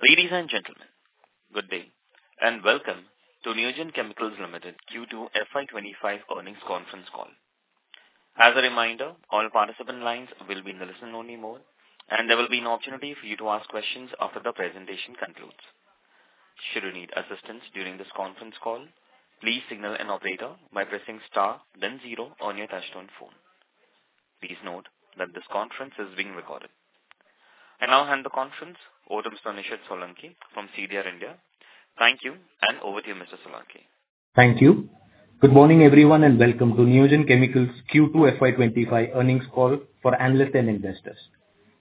Ladies and gentlemen, good day and welcome to Neogen Chemicals Limited Q2 FY25 earnings conference call. As a reminder, all participant lines will be in the listen-only mode, and there will be an opportunity for you to ask questions after the presentation concludes. Should you need assistance during this conference call, please signal an operator by pressing star, then zero on your touch-tone phone. Please note that this conference is being recorded, and I'll hand the conference over to Mr. Nishid Solanki from CDR India. Thank you, and over to you, Mr. Solanki. Thank you. Good morning, everyone, and welcome to Neogen Chemicals Q2 FY25 earnings call for analysts and investors.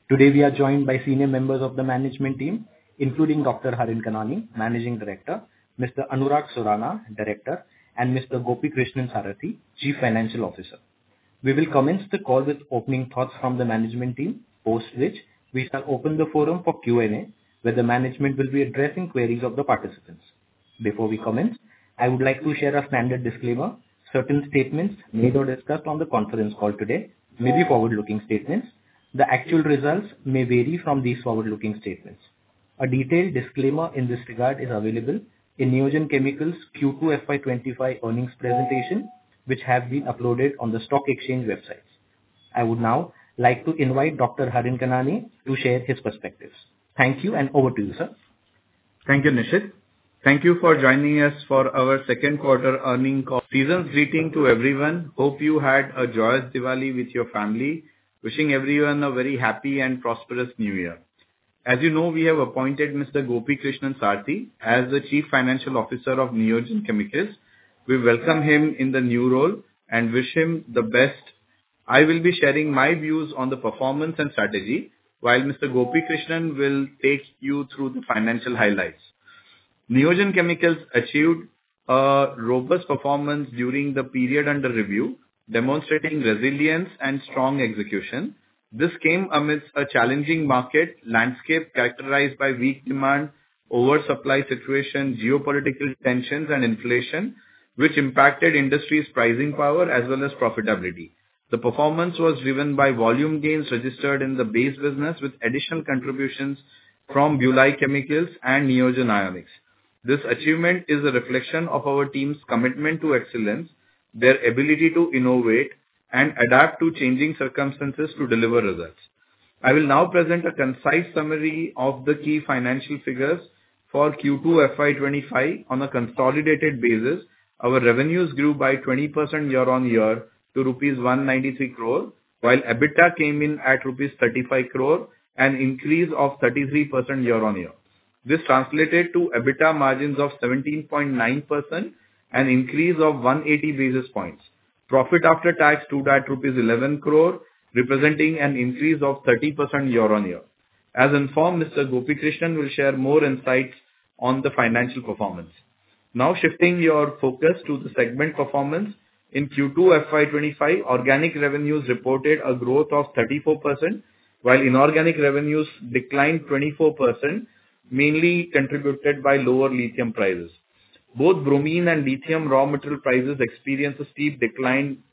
Today, we are joined by senior members of the management team, including Dr. Harin Kanani, Managing Director, Mr. Anurag Surana, Director, and Mr. Gopikrishnan Sarathy, Chief Financial Officer. We will commence the call with opening thoughts from the management team, post which we shall open the forum for Q&A, where the management will be addressing queries of the participants. Before we commence, I would like to share a standard disclaimer. Certain statements made or discussed on the conference call today may be forward-looking statements. The actual results may vary from these forward-looking statements. A detailed disclaimer in this regard is available in Neogen Chemicals Q2 FY25 earnings presentation, which has been uploaded on the stock exchange websites. I would now like to invite Dr. Harin Kanani to share his perspectives. Thank you, and over to you, sir. Thank you, Nishid. Thank you for joining us for our second-quarter earnings. Season's greeting to everyone. Hope you had a joyous Diwali with your family. Wishing everyone a very happy and prosperous New Year. As you know, we have appointed Mr. Gopikrishnan Sarathy as the Chief Financial Officer of Neogen Chemicals. We welcome him in the new role and wish him the best. I will be sharing my views on the performance and strategy, while Mr. Gopikrishnan will take you through the financial highlights. Neogen Chemicals achieved a robust performance during the period under review, demonstrating resilience and strong execution. This came amidst a challenging market landscape characterized by weak demand, oversupply situation, geopolitical tensions, and inflation, which impacted industries' pricing power as well as profitability. The performance was driven by volume gains registered in the base business, with additional contributions from BuLi Chemicals and Neogen Ionics. This achievement is a reflection of our team's commitment to excellence, their ability to innovate and adapt to changing circumstances to deliver results. I will now present a concise summary of the key financial figures for Q2 FY25. On a consolidated basis, our revenues grew by 20% year-on-year to rupees 193 crore, while EBITDA came in at rupees 35 crore, an increase of 33% year-on-year. This translated to EBITDA margins of 17.9% and an increase of 180 basis points. Profit after tax grew at rupees 11 crore, representing an increase of 30% year-on-year. As informed, Mr. Gopikrishnan will share more insights on the financial performance. Now, shifting your focus to the segment performance, in Q2 FY25, organic revenues reported a growth of 34%, while inorganic revenues declined 24%, mainly contributed by lower lithium prices. Both bromine and lithium raw material prices experienced a steep decline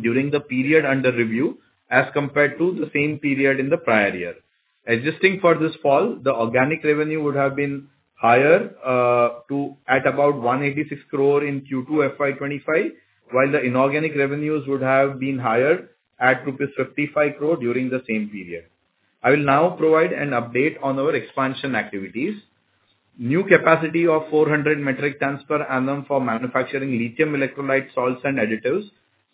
during the period under review as compared to the same period in the prior year. Adjusting for this fall, the organic revenue would have been higher at about 186 crore in Q2 FY25, while the inorganic revenues would have been higher at rupees 55 crore during the same period. I will now provide an update on our expansion activities. New capacity of 400 metric tons per annum for manufacturing lithium electrolyte salts and additives.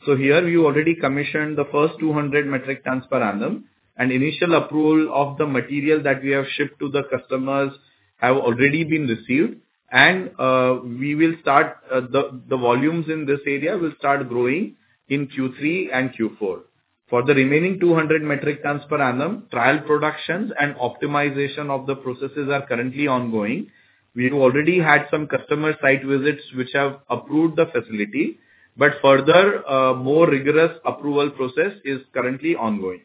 Here, we already commissioned the first 200 metric tons per annum, and initial approval of the material that we have shipped to the customers has already been received. The volumes in this area will start growing in Q3 and Q4. For the remaining 200 metric tons per annum, trial productions and optimization of the processes are currently ongoing. We already had some customer site visits which have approved the facility, but further, a more rigorous approval process is currently ongoing.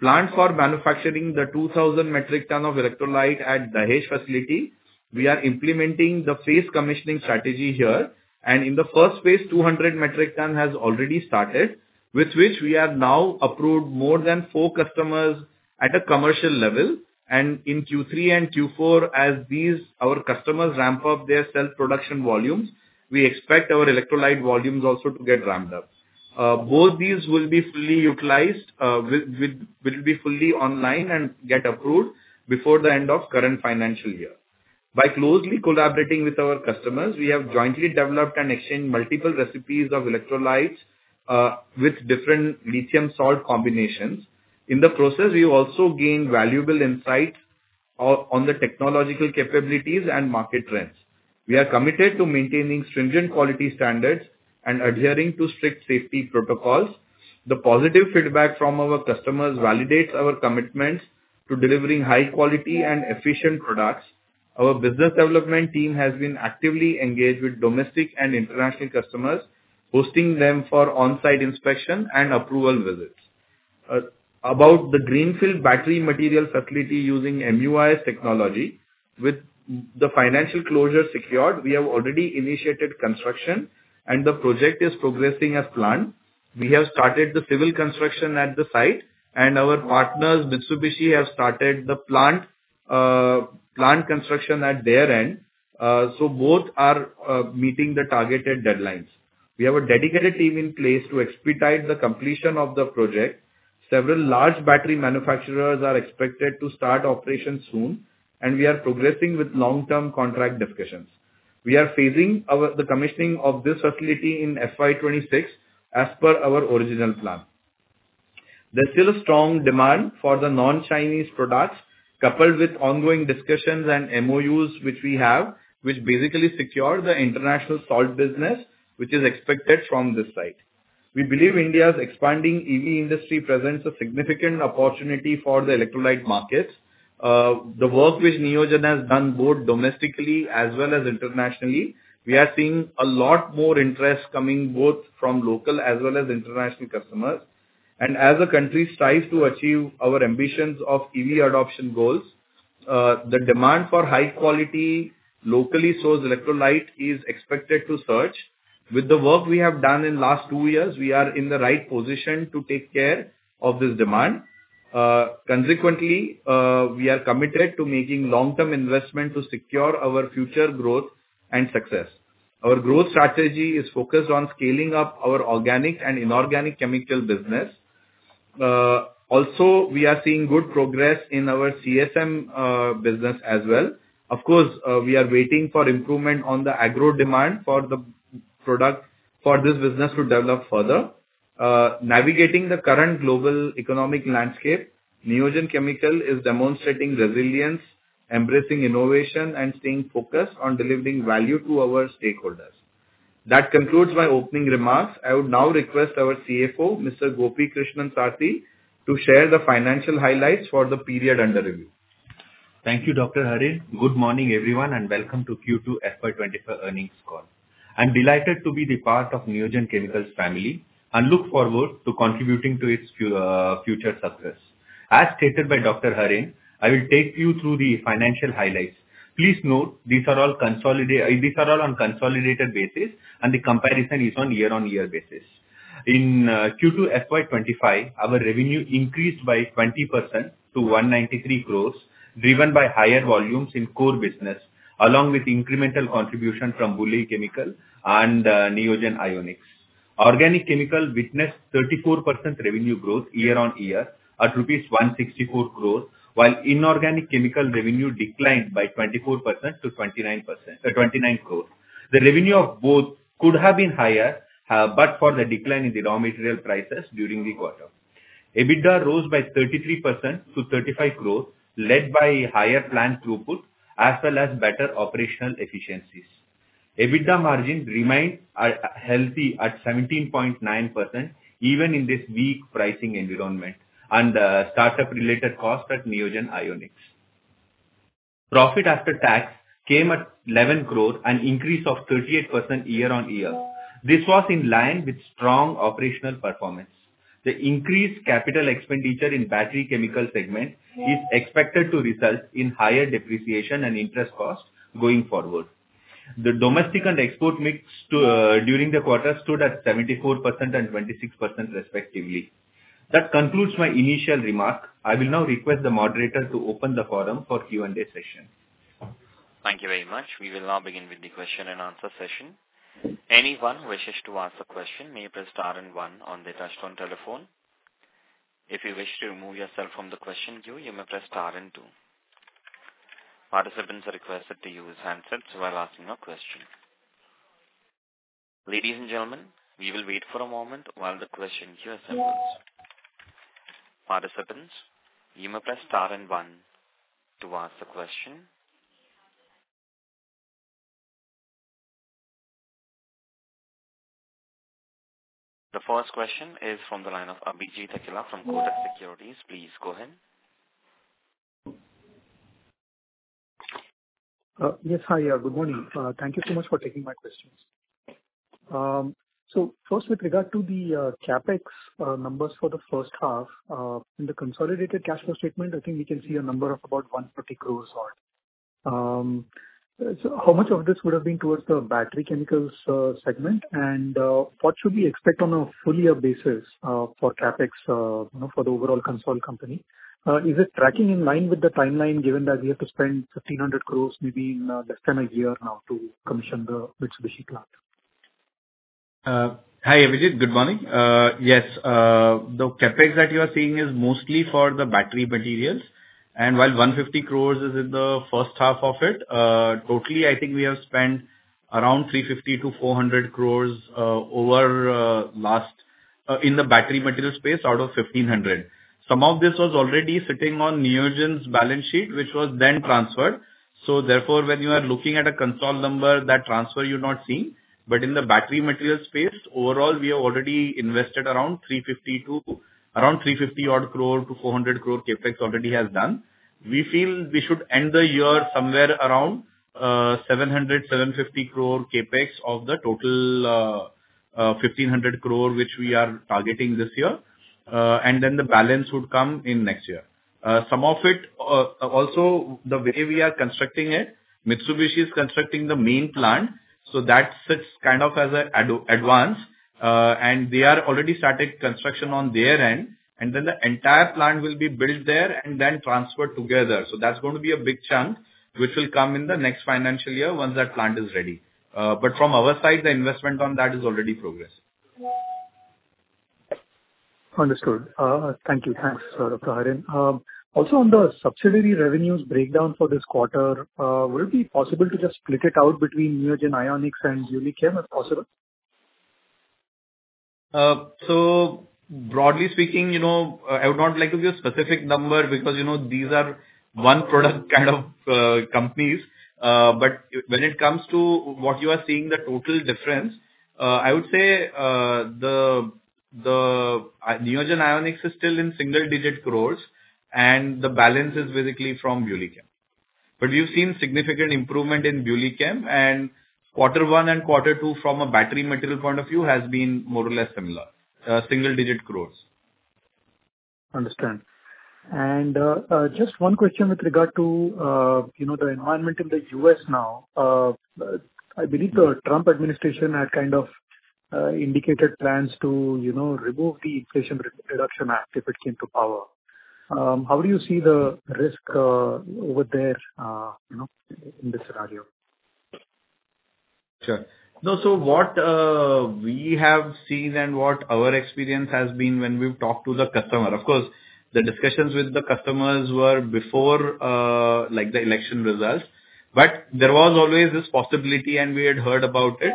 Planned for manufacturing the 2,000 metric tons of electrolyte at Dahej facility, we are implementing the phased commissioning strategy here. And in the first phase, 200 metric tons has already started, with which we have now approved more than four customers at a commercial level. And in Q3 and Q4, as our customers ramp up their self-production volumes, we expect our electrolyte volumes also to get ramped up. Both these will be fully utilized, will be fully online, and get approved before the end of the current financial year. By closely collaborating with our customers, we have jointly developed and exchanged multiple recipes of electrolytes with different lithium salt combinations. In the process, we also gained valuable insights on the technological capabilities and market trends. We are committed to maintaining stringent quality standards and adhering to strict safety protocols. The positive feedback from our customers validates our commitment to delivering high-quality and efficient products. Our business development team has been actively engaged with domestic and international customers, hosting them for on-site inspection and approval visits. About the greenfield battery material facility using MUIS Technology, with the financial closure secured, we have already initiated construction, and the project is progressing as planned. We have started the civil construction at the site, and our partners, Mitsubishi, have started the plant construction at their end. So both are meeting the targeted deadlines. We have a dedicated team in place to expedite the completion of the project. Several large battery manufacturers are expected to start operations soon, and we are progressing with long-term contract discussions. We are phasing the commissioning of this facility in FY26 as per our original plan. There's still a strong demand for the non-Chinese products, coupled with ongoing discussions and MOUs which we have, which basically secure the international salt business, which is expected from this site. We believe India's expanding EV industry presents a significant opportunity for the electrolyte markets. The work which Neogen has done, both domestically as well as internationally, we are seeing a lot more interest coming both from local as well as international customers, and as the country strives to achieve our ambitions of EV adoption goals, the demand for high-quality locally sourced electrolyte is expected to surge. With the work we have done in the last two years, we are in the right position to take care of this demand. Consequently, we are committed to making long-term investment to secure our future growth and success. Our growth strategy is focused on scaling up our organic and inorganic chemical business. Also, we are seeing good progress in our CSM business as well. Of course, we are waiting for improvement on the agro demand for this business to develop further. Navigating the current global economic landscape, Neogen Chemicals is demonstrating resilience, embracing innovation, and staying focused on delivering value to our stakeholders. That concludes my opening remarks. I would now request our CFO, Mr. Gopikrishnan Sarathy, to share the financial highlights for the period under review. Thank you, Dr. Harin. Good morning, everyone, and welcome to Q2 FY25 earnings call. I'm delighted to be a part of Neogen Chemicals family and look forward to contributing to its future success. As stated by Dr. Harin, I will take you through the financial highlights. Please note, these are all on consolidated basis, and the comparison is on year-on-year basis. In Q2 FY25, our revenue increased by 20% to 193 crore, driven by higher volumes in core business, along with incremental contribution from BuLi Chemicals and Neogen Ionics. Organic chemical witnessed 34% revenue growth year-on-year at rupees 164 crore, while inorganic chemical revenue declined by 24% to 29 crore. The revenue of both could have been higher, but for the decline in the raw material prices during the quarter. EBITDA rose by 33% to 35 crore, led by higher planned throughput as well as better operational efficiencies. EBITDA margin remained healthy at 17.9%, even in this weak pricing environment and startup-related costs at Neogen Ionics. Profit after tax came at 11 crore, an increase of 38% year-on-year. This was in line with strong operational performance. The increased capital expenditure in the battery chemical segment is expected to result in higher depreciation and interest costs going forward. The domestic and export mix during the quarter stood at 74% and 26%, respectively. That concludes my initial remark. I will now request the moderator to open the forum for Q&A session. Thank you very much. We will now begin with the question-and-answer session. Anyone who wishes to ask a question may press star and one on the touch-tone telephone. If you wish to remove yourself from the question queue, you may press star and two. Participants are requested to use handsets while asking a question. Ladies and gentlemen, we will wait for a moment while the question queue assembles. Participants, you may press star and one to ask a question. The first question is from the line of Abhijit Akella from Kotak Securities. Please go ahead. Yes, hi. Good morning. Thank you so much for taking my questions. So first, with regard to the CapEx numbers for the first half, in the consolidated cash flow statement, I think we can see a number of about 140 crore or so. How much of this would have been towards the battery chemicals segment, and what should we expect on a full-year basis for CapEx for the overall consolidated company? Is it tracking in line with the timeline, given that we have to spend 1,500 crore maybe in less than a year now to commission the Mitsubishi plant? Hi, Abhijit. Good morning. Yes, the CapEx that you are seeing is mostly for the battery materials. And while 150 crore is in the first half of it, totally, I think we have spent around 350 crore-400 crore over last in the battery material space out of 1,500 crore. Some of this was already sitting on Neogen's balance sheet, which was then transferred. So therefore, when you are looking at a consolidated number, that transfer you're not seeing. But in the battery material space, overall, we have already invested around 350 odd crore to 400 crore CapEx already has done. We feel we should end the year somewhere around 700 crore-750 crore CapEx of the total 1,500 crore which we are targeting this year. And then the balance would come in next year. Some of it also, the way we are constructing it, Mitsubishi is constructing the main plant, so that sits kind of as an advance. And they are already starting construction on their end. And then the entire plant will be built there and then transferred together. So that's going to be a big chunk, which will come in the next financial year once that plant is ready. But from our side, the investment on that is already progressing. Understood. Thank you. Thanks, Dr. Harin. Also, on the subsidiary revenues breakdown for this quarter, would it be possible to just split it out between Neogen Ionics and BuLi Chem if possible? Broadly speaking, I would not like to give a specific number because these are one-product kind of companies. But when it comes to what you are seeing, the total difference, I would say the Neogen Ionics is still in single-digit crore, and the balance is basically from BuLi Chem. But we've seen significant improvement in BuLi Chem, and quarter one and quarter two from a battery material point of view has been more or less similar, single-digit crore. Understood. And just one question with regard to the environment in the U.S. now. I believe the Trump administration had kind of indicated plans to remove the Inflation Reduction Act if it came to power. How do you see the risk over there in this scenario? Sure. No, so what we have seen and what our experience has been when we've talked to the customer, of course, the discussions with the customers were before the election results. But there was always this possibility, and we had heard about it.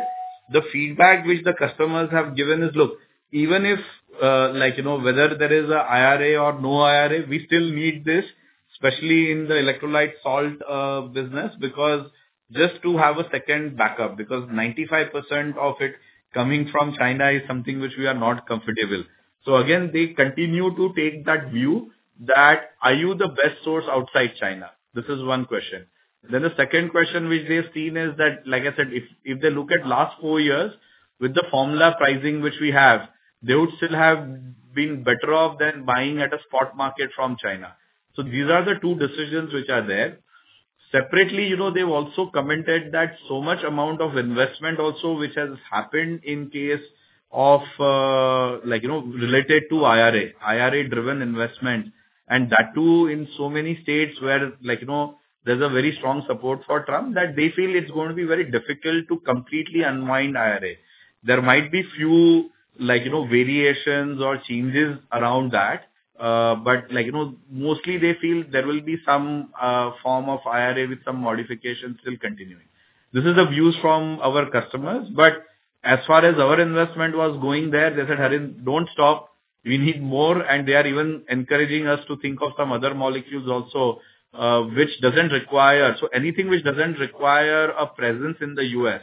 The feedback which the customers have given is, "Look, even if whether there is an IRA or no IRA, we still need this, especially in the electrolyte salt business," because just to have a second backup, because 95% of it coming from China is something which we are not comfortable. So again, they continue to take that view that, "Are you the best source outside China?" This is one question. Then the second question which they've seen is that, like I said, if they look at the last four years with the formula pricing which we have, they would still have been better off than buying at a spot market from China. So these are the two decisions which are there. Separately, they've also commented that so much amount of investment also which has happened in case of related to IRA, IRA-driven investment, and that too in so many states where there's a very strong support for Trump that they feel it's going to be very difficult to completely unwind IRA. There might be few variations or changes around that, but mostly they feel there will be some form of IRA with some modifications still continuing. This is the views from our customers. But as far as our investment was going there, they said, "Harin, don't stop. We need more." And they are even encouraging us to think of some other molecules also, which doesn't require so anything which doesn't require a presence in the U.S.,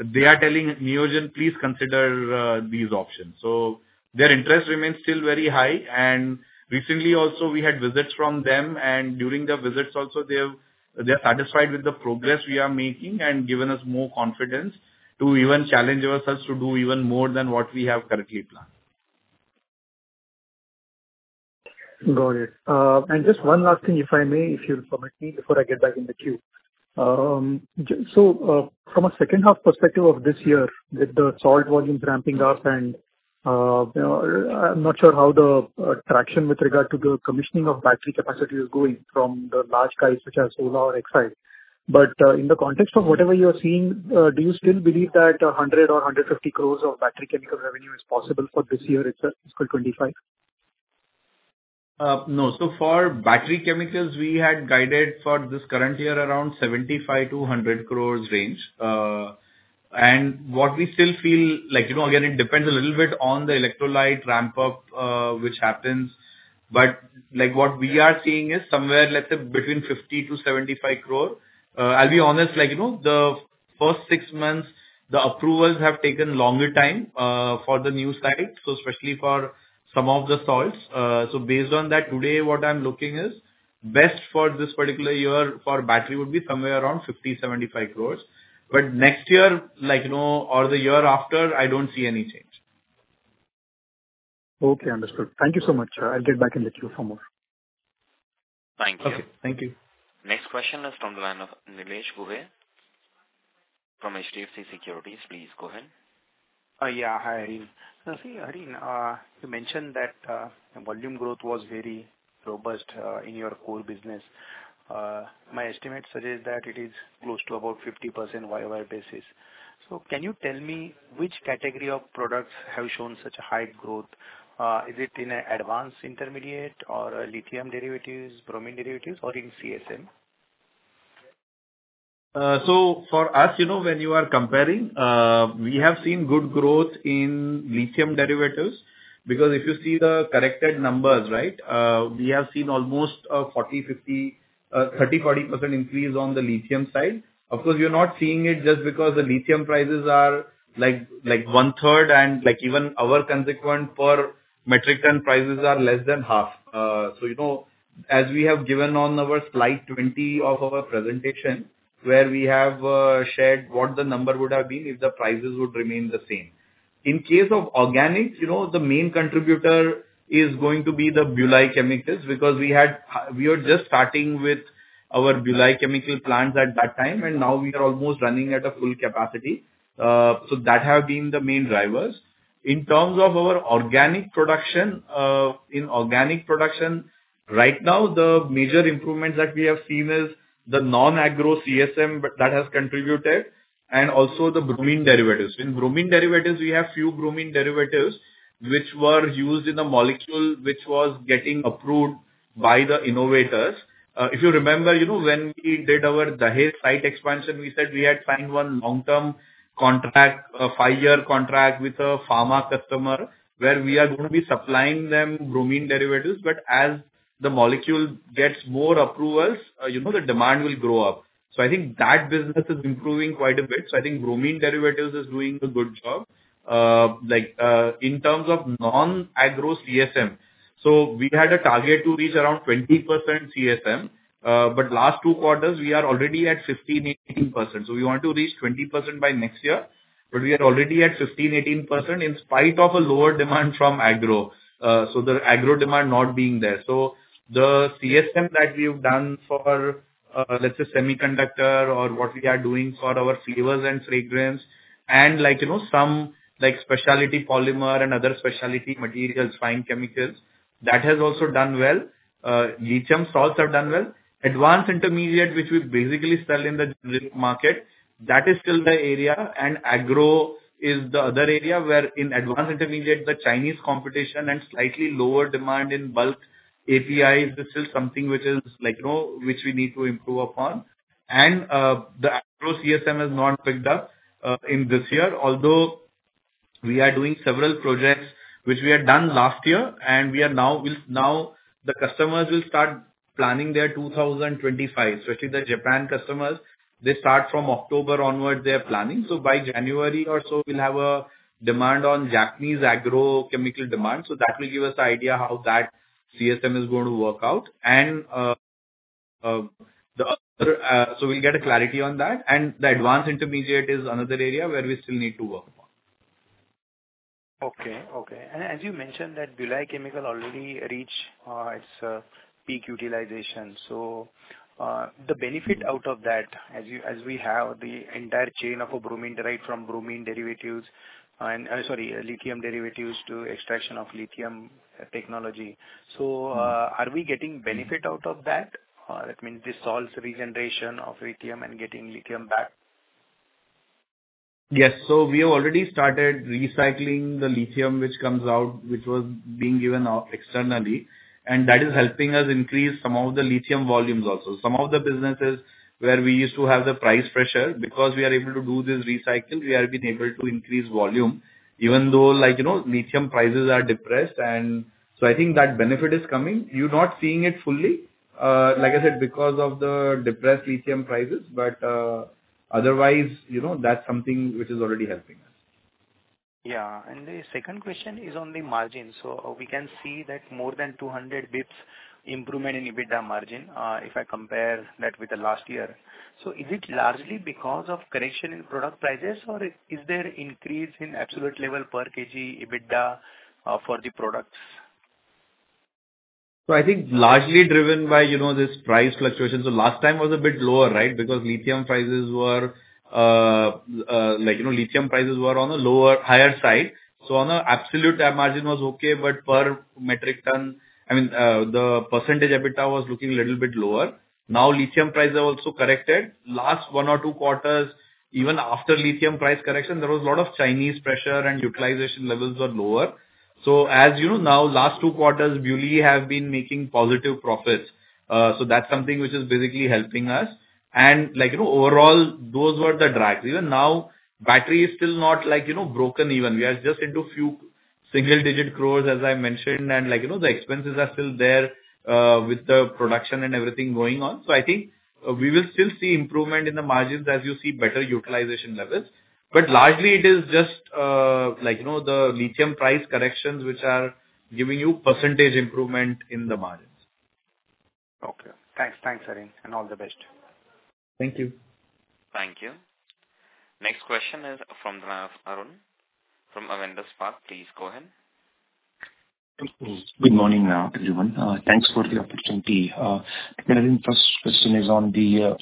they are telling Neogen, "Please consider these options." So their interest remains still very high. And recently, also, we had visits from them. And during the visits, also, they are satisfied with the progress we are making and giving us more confidence to even challenge ourselves to do even more than what we have currently planned. Got it. And just one last thing, if I may, if you'll permit me before I get back in the queue. So from a second-half perspective of this year, with the salt volumes ramping up, and I'm not sure how the traction with regard to the commissioning of battery capacity is going from the large guys such as Ola or Exide. But in the context of whatever you are seeing, do you still believe that 100 crore or 150 crore of battery chemical revenue is possible for this year itself, fiscal 2025? No. So for battery chemicals, we had guided for this current year around 75 crore-100 crore range. And what we still feel, again, it depends a little bit on the electrolyte ramp-up which happens. But what we are seeing is somewhere, let's say, between 50 crore-75 crore. I'll be honest, the first six months, the approvals have taken longer time for the new site, so especially for some of the salts. So based on that, today, what I'm looking is best for this particular year for battery would be somewhere around 50 crore-75 crore. But next year or the year after, I don't see any change. Okay. Understood. Thank you so much. I'll get back in the queue for more. Thank you. Okay. Thank you. Next question is from the line of Nilesh Ghuge from HDFC Securities. Please go ahead. Yeah. Hi, Harin. See, Harin, you mentioned that volume growth was very robust in your core business. My estimate suggests that it is close to about 50% YoY basis. So can you tell me which category of products have shown such a high growth? Is it in advanced intermediate or lithium derivatives, bromine derivatives, or in CSM? So for us, when you are comparing, we have seen good growth in lithium derivatives because if you see the corrected numbers, right, we have seen almost a 30%-40% increase on the lithium side. Of course, we are not seeing it just because the lithium prices are like one-third and even our cost per metric ton prices are less than half. So as we have given on our slide 20 of our presentation where we have shared what the number would have been if the prices would remain the same. In case of organics, the main contributor is going to be the BuLi Chemicals because we were just starting with our BuLi Chemical plants at that time, and now we are almost running at a full capacity. So that has been the main drivers. In terms of our organic production, in organic production, right now, the major improvements that we have seen is the non-agro CSM that has contributed and also the bromine derivatives. In bromine derivatives, we have few bromine derivatives which were used in the molecule which was getting approved by the innovators. If you remember, when we did our Dahej site expansion, we said we had signed one long-term contract, a five-year contract with a pharma customer where we are going to be supplying them bromine derivatives. But as the molecule gets more approvals, the demand will grow up. So I think that business is improving quite a bit. So I think bromine derivatives is doing a good job. In terms of non-agro CSM, so we had a target to reach around 20% CSM, but last two quarters, we are already at 15%-18%. We want to reach 20% by next year, but we are already at 15%-18% in spite of a lower demand from agro, so the agro demand not being there. The CSM that we have done for, let's say, semiconductor or what we are doing for our flavors and fragrance and some specialty polymer and other specialty materials, fine chemicals, that has also done well. Lithium salts have done well. Advanced intermediate, which we basically sell in the market, that is still the area. Agro is the other area where, in advanced intermediate, the Chinese competition and slightly lower demand in bulk APIs is still something which we need to improve upon. The agro CSM has not picked up in this year, although we are doing several projects which we had done last year. And now the customers will start planning their 2025, especially the Japan customers. They start from October onward, they are planning. So by January or so, we'll have a demand on Japanese agrochemical demand. So that will give us an idea how that CSM is going to work out. And so we'll get clarity on that. And the advanced intermediate is another area where we still need to work on. Okay. Okay. As you mentioned, BuLi Chemicals already reached its peak utilization. So the benefit out of that, as we have the entire chain of a bromine derived from bromine derivatives and, sorry, lithium derivatives to extraction of lithium technology, so are we getting benefit out of that? That means the salts regeneration of lithium and getting lithium back? Yes. So we have already started recycling the lithium which comes out, which was being given externally. And that is helping us increase some of the lithium volumes also. Some of the businesses where we used to have the price pressure, because we are able to do this recycle, we have been able to increase volume, even though lithium prices are depressed. And so I think that benefit is coming. You're not seeing it fully, like I said, because of the depressed lithium prices. But otherwise, that's something which is already helping us. Yeah. And the second question is on the margin. So we can see that more than 200 basis points improvement in EBITDA margin if I compare that with the last year. So is it largely because of correction in product prices, or is there increase in absolute level per kg EBITDA for the products? I think largely driven by this price fluctuation. Last time was a bit lower, right, because lithium prices were on the lower higher side. On the absolute, that margin was okay. But per metric ton, I mean, the percentage EBITDA was looking a little bit lower. Now, lithium prices have also corrected. Last one or two quarters, even after lithium price correction, there was a lot of Chinese pressure and utilization levels were lower. As now, last two quarters, BuLi have been making positive profits. That's something which is basically helping us. Overall, those were the drags. Even now, battery is still not broken even. We are just into a few single-digit crore, as I mentioned. The expenses are still there with the production and everything going on. So I think we will still see improvement in the margins as you see better utilization levels. But largely, it is just the lithium price corrections which are giving you percentage improvement in the margins. Okay. Thanks. Thanks, Harin. And all the best. Thank you. Thank you. Next question is from the line of Arun from Avendus Spark. Please go ahead. Good morning, everyone. Thanks for the opportunity. The first question is on the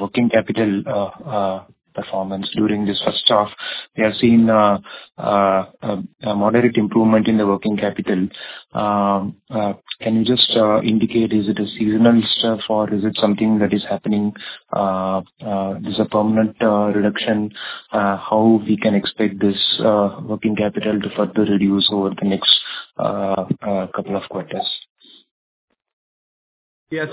working capital performance during this first half. We have seen a moderate improvement in the working capital. Can you just indicate is it a seasonal stuff or is it something that is happening? Is it a permanent reduction? How we can expect this working capital to further reduce over the next couple of quarters? Yeah.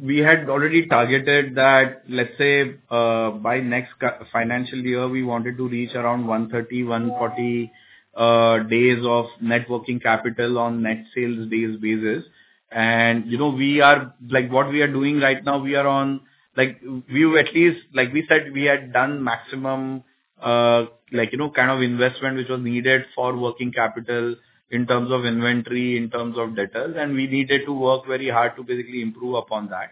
We had already targeted that, let's say, by next financial year, we wanted to reach around 130-140 days of Net Working Capital on net sales days basis. What we are doing right now, we were at least, like we said, we had done maximum kind of investment which was needed for working capital in terms of inventory, in terms of receivables. We needed to work very hard to basically improve upon that.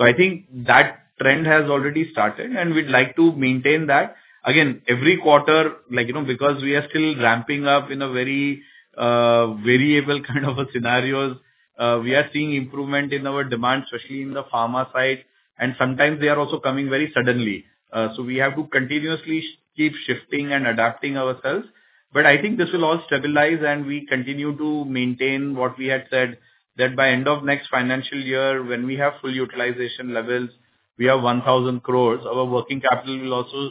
I think that trend has already started, and we'd like to maintain that. Again, every quarter, because we are still ramping up in a very variable kind of scenarios, we are seeing improvement in our demand, especially in the pharma side. Sometimes they are also coming very suddenly. We have to continuously keep shifting and adapting ourselves. But I think this will all stabilize, and we continue to maintain what we had said that by end of next financial year, when we have full utilization levels, we have 1,000 crore, our working capital will also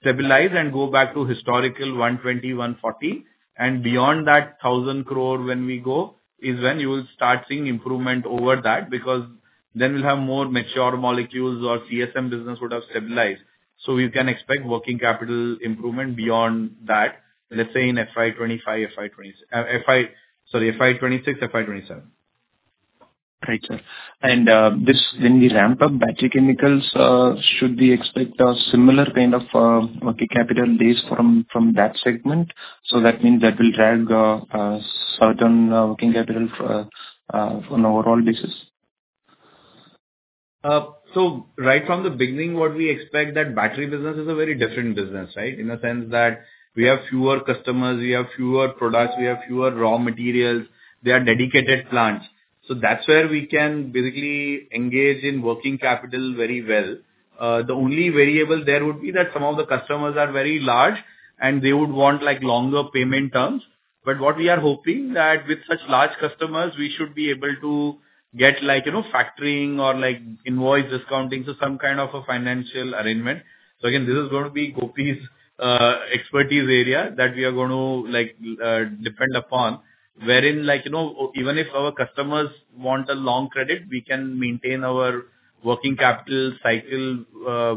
stabilize and go back to historical 120-140. And beyond that 1,000 crore when we go is when you will start seeing improvement over that because then we'll have more mature molecules or CSM business would have stabilized. So we can expect working capital improvement beyond that, let's say in FY25, FY26, sorry, FY26, FY27. Right. And when we ramp up battery chemicals, should we expect a similar kind of working capital days from that segment? So that means that will drag certain working capital on an overall basis? So right from the beginning, what we expect that battery business is a very different business, right, in the sense that we have fewer customers, we have fewer products, we have fewer raw materials. They are dedicated plants. So that's where we can basically engage in working capital very well. The only variable there would be that some of the customers are very large, and they would want longer payment terms. But what we are hoping that with such large customers, we should be able to get factoring or invoice discounting, so some kind of a financial arrangement. So again, this is going to be Gopi's expertise area that we are going to depend upon, wherein even if our customers want a long credit, we can maintain our working capital cycle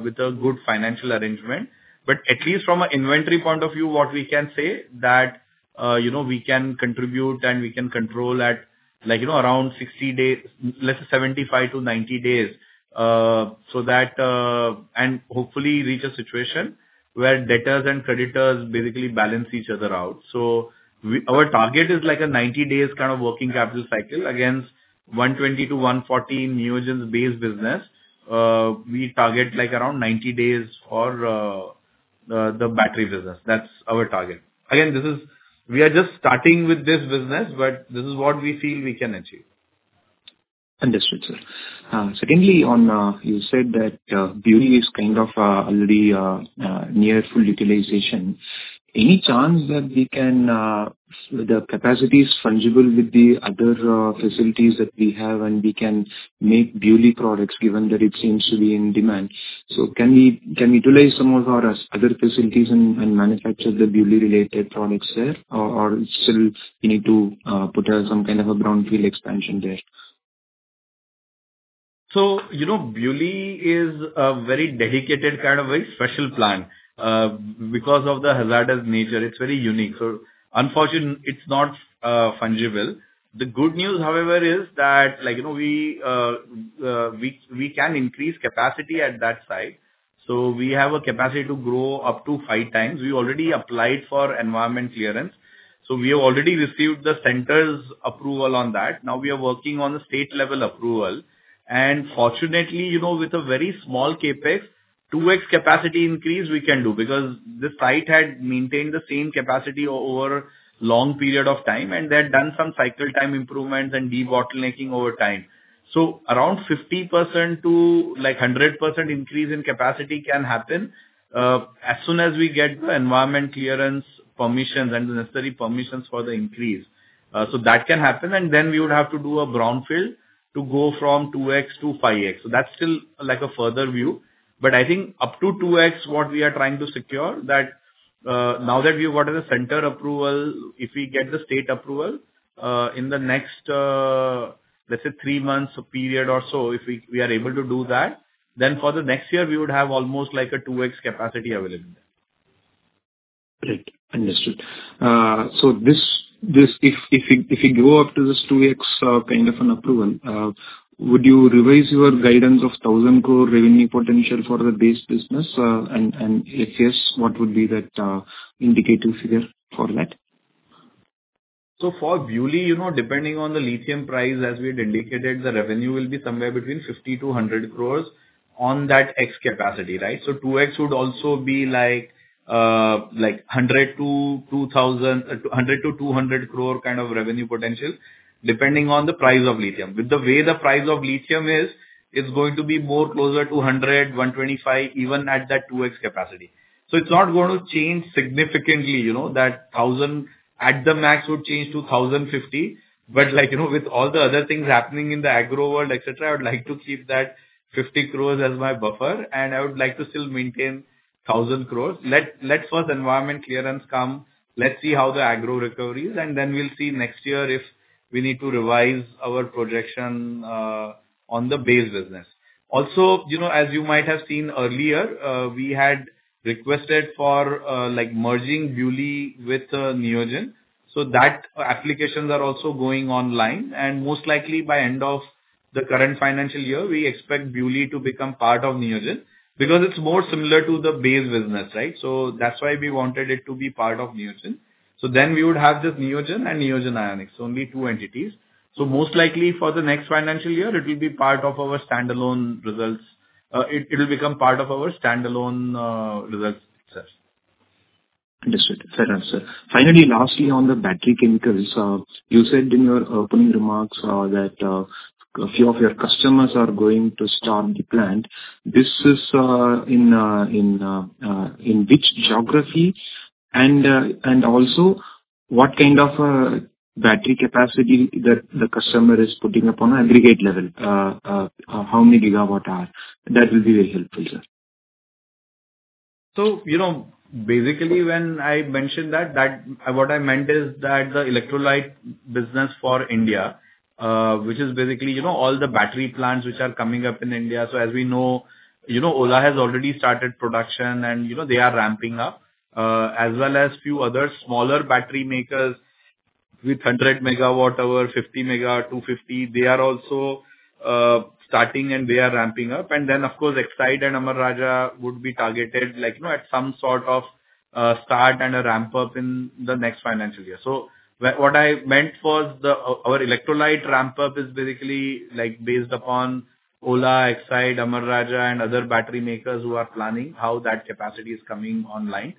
with a good financial arrangement. But at least from an inventory point of view, what we can say that we can contribute and we can control at around 60 days, let's say 75 to 90 days, so that and hopefully reach a situation where debtors and creditors basically balance each other out. So our target is like a 90 days kind of working capital cycle against 120 to 140 Neogen's base business. We target around 90 days for the battery business. That's our target. Again, we are just starting with this business, but this is what we feel we can achieve. Understood, sir. Secondly, you said that BuLi is kind of already near full utilization. Any chance that we can, with the capacities fungible with the other facilities that we have, and we can make BuLi products given that it seems to be in demand? So can we utilize some of our other facilities and manufacture the BuLi-related products there, or still we need to put some kind of a brownfield expansion there? BuLi is a very dedicated kind of a special plant. Because of the hazardous nature, it's very unique. Unfortunately, it's not fungible. The good news, however, is that we can increase capacity at that site. We have a capacity to grow up to five times. We already applied for Environment Clearance. We have already received the Centre's approval on that. Now we are working on the state-level approval. Fortunately, with a very small CapEx, 2x capacity increase we can do because this site had maintained the same capacity over a long period of time, and they had done some cycle time improvements and debottlenecking over time. Around 50%-100% increase in capacity can happen as soon as we get the Environment Clearance permissions and the necessary permissions for the increase. That can happen. And then we would have to do a brownfield to go from 2x to 5x. So that's still a further view. But I think up to 2x, what we are trying to secure, that now that we've got the central approval, if we get the state approval in the next, let's say, three months period or so, if we are able to do that, then for the next year, we would have almost like a 2x capacity available. Great. Understood. So if we go up to this 2x kind of an approval, would you revise your guidance of 1,000 crore revenue potential for the base business? And if yes, what would be that indicative figure for that? So for BuLi, depending on the lithium price, as we had indicated, the revenue will be somewhere between 50 crore-100 crore on that 1x capacity, right? So 2x would also be like 100 crore-200 crore kind of revenue potential, depending on the price of lithium. With the way the price of lithium is, it's going to be more closer to 100 crore-125 crore, even at that 2x capacity. So it's not going to change significantly. That 1,000 crore at the max would change to 1,050 crore. But with all the other things happening in the agro world, etc., I would like to keep that 50 crore as my buffer. And I would like to still maintain 1,000 crore. Let first environment clearance come. Let's see how the agro recoveries. And then we'll see next year if we need to revise our projection on the base business. Also, as you might have seen earlier, we had requested for merging BuLi with Neogen so that applications are also going online. Most likely, by end of the current financial year, we expect BuLi to become part of Neogen because it's more similar to the base business, right? That's why we wanted it to be part of Neogen. Then we would have just Neogen and Neogen Ionics, only two entities. Most likely, for the next financial year, it will be part of our standalone results. It will become part of our standalone results itself. Understood. Fair answer. Finally, lastly, on the battery chemicals, you said in your opening remarks that a few of your customers are going to start the plant. This is in which geography? And also, what kind of battery capacity that the customer is putting up on aggregate level? How many gigawatt-hours? That will be very helpful, sir. So basically, when I mentioned that, what I meant is that the electrolyte business for India, which is basically all the battery plants which are coming up in India. So as we know, Ola has already started production, and they are ramping up, as well as a few other smaller battery makers with 100 MWh, 50 MWh, 250 MWh. They are also starting, and they are ramping up. And then, of course, Exide and Amara Raja would be targeted at some sort of start and a ramp-up in the next financial year. So what I meant was our electrolyte ramp-up is basically based upon Ola, Exide, Amara Raja, and other battery makers who are planning how that capacity is coming online.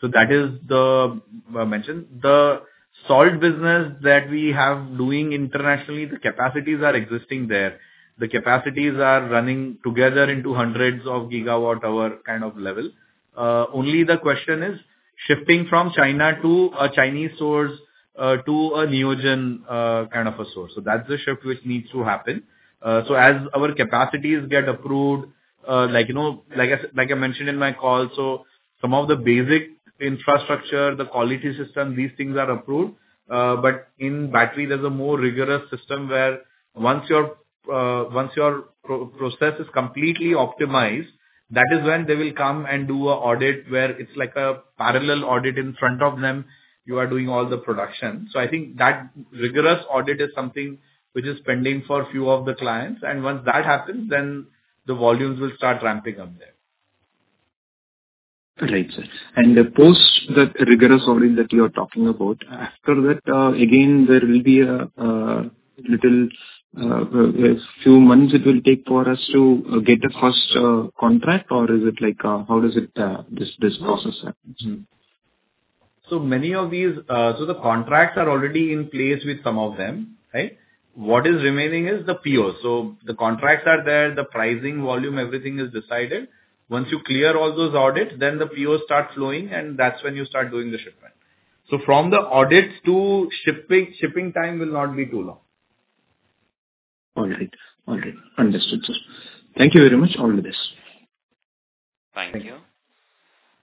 So that is the mention. The salt business that we have doing internationally, the capacities are existing there. The capacities are running together into hundreds of gigawatt-hour kind of level. Only the question is shifting from China to a Chinese source to a Neogen kind of a source. So that's the shift which needs to happen. So as our capacities get approved, like I mentioned in my call, so some of the basic infrastructure, the quality system, these things are approved. But in battery, there's a more rigorous system where once your process is completely optimized, that is when they will come and do an audit where it's like a parallel audit in front of them. You are doing all the production. So I think that rigorous audit is something which is pending for a few of the clients. And once that happens, then the volumes will start ramping up there. Right. And post that rigorous audit that you are talking about, after that, again, there will be a little few months it will take for us to get the first contract, or is it like how does this process happen? So many of these, so the contracts are already in place with some of them, right? What is remaining is the POs. So the contracts are there. The pricing volume, everything is decided. Once you clear all those audits, then the POs start flowing, and that's when you start doing the shipment. So from the audits to shipping, shipping time will not be too long. All right. All right. Understood, sir. Thank you very much for all of this. Thank you.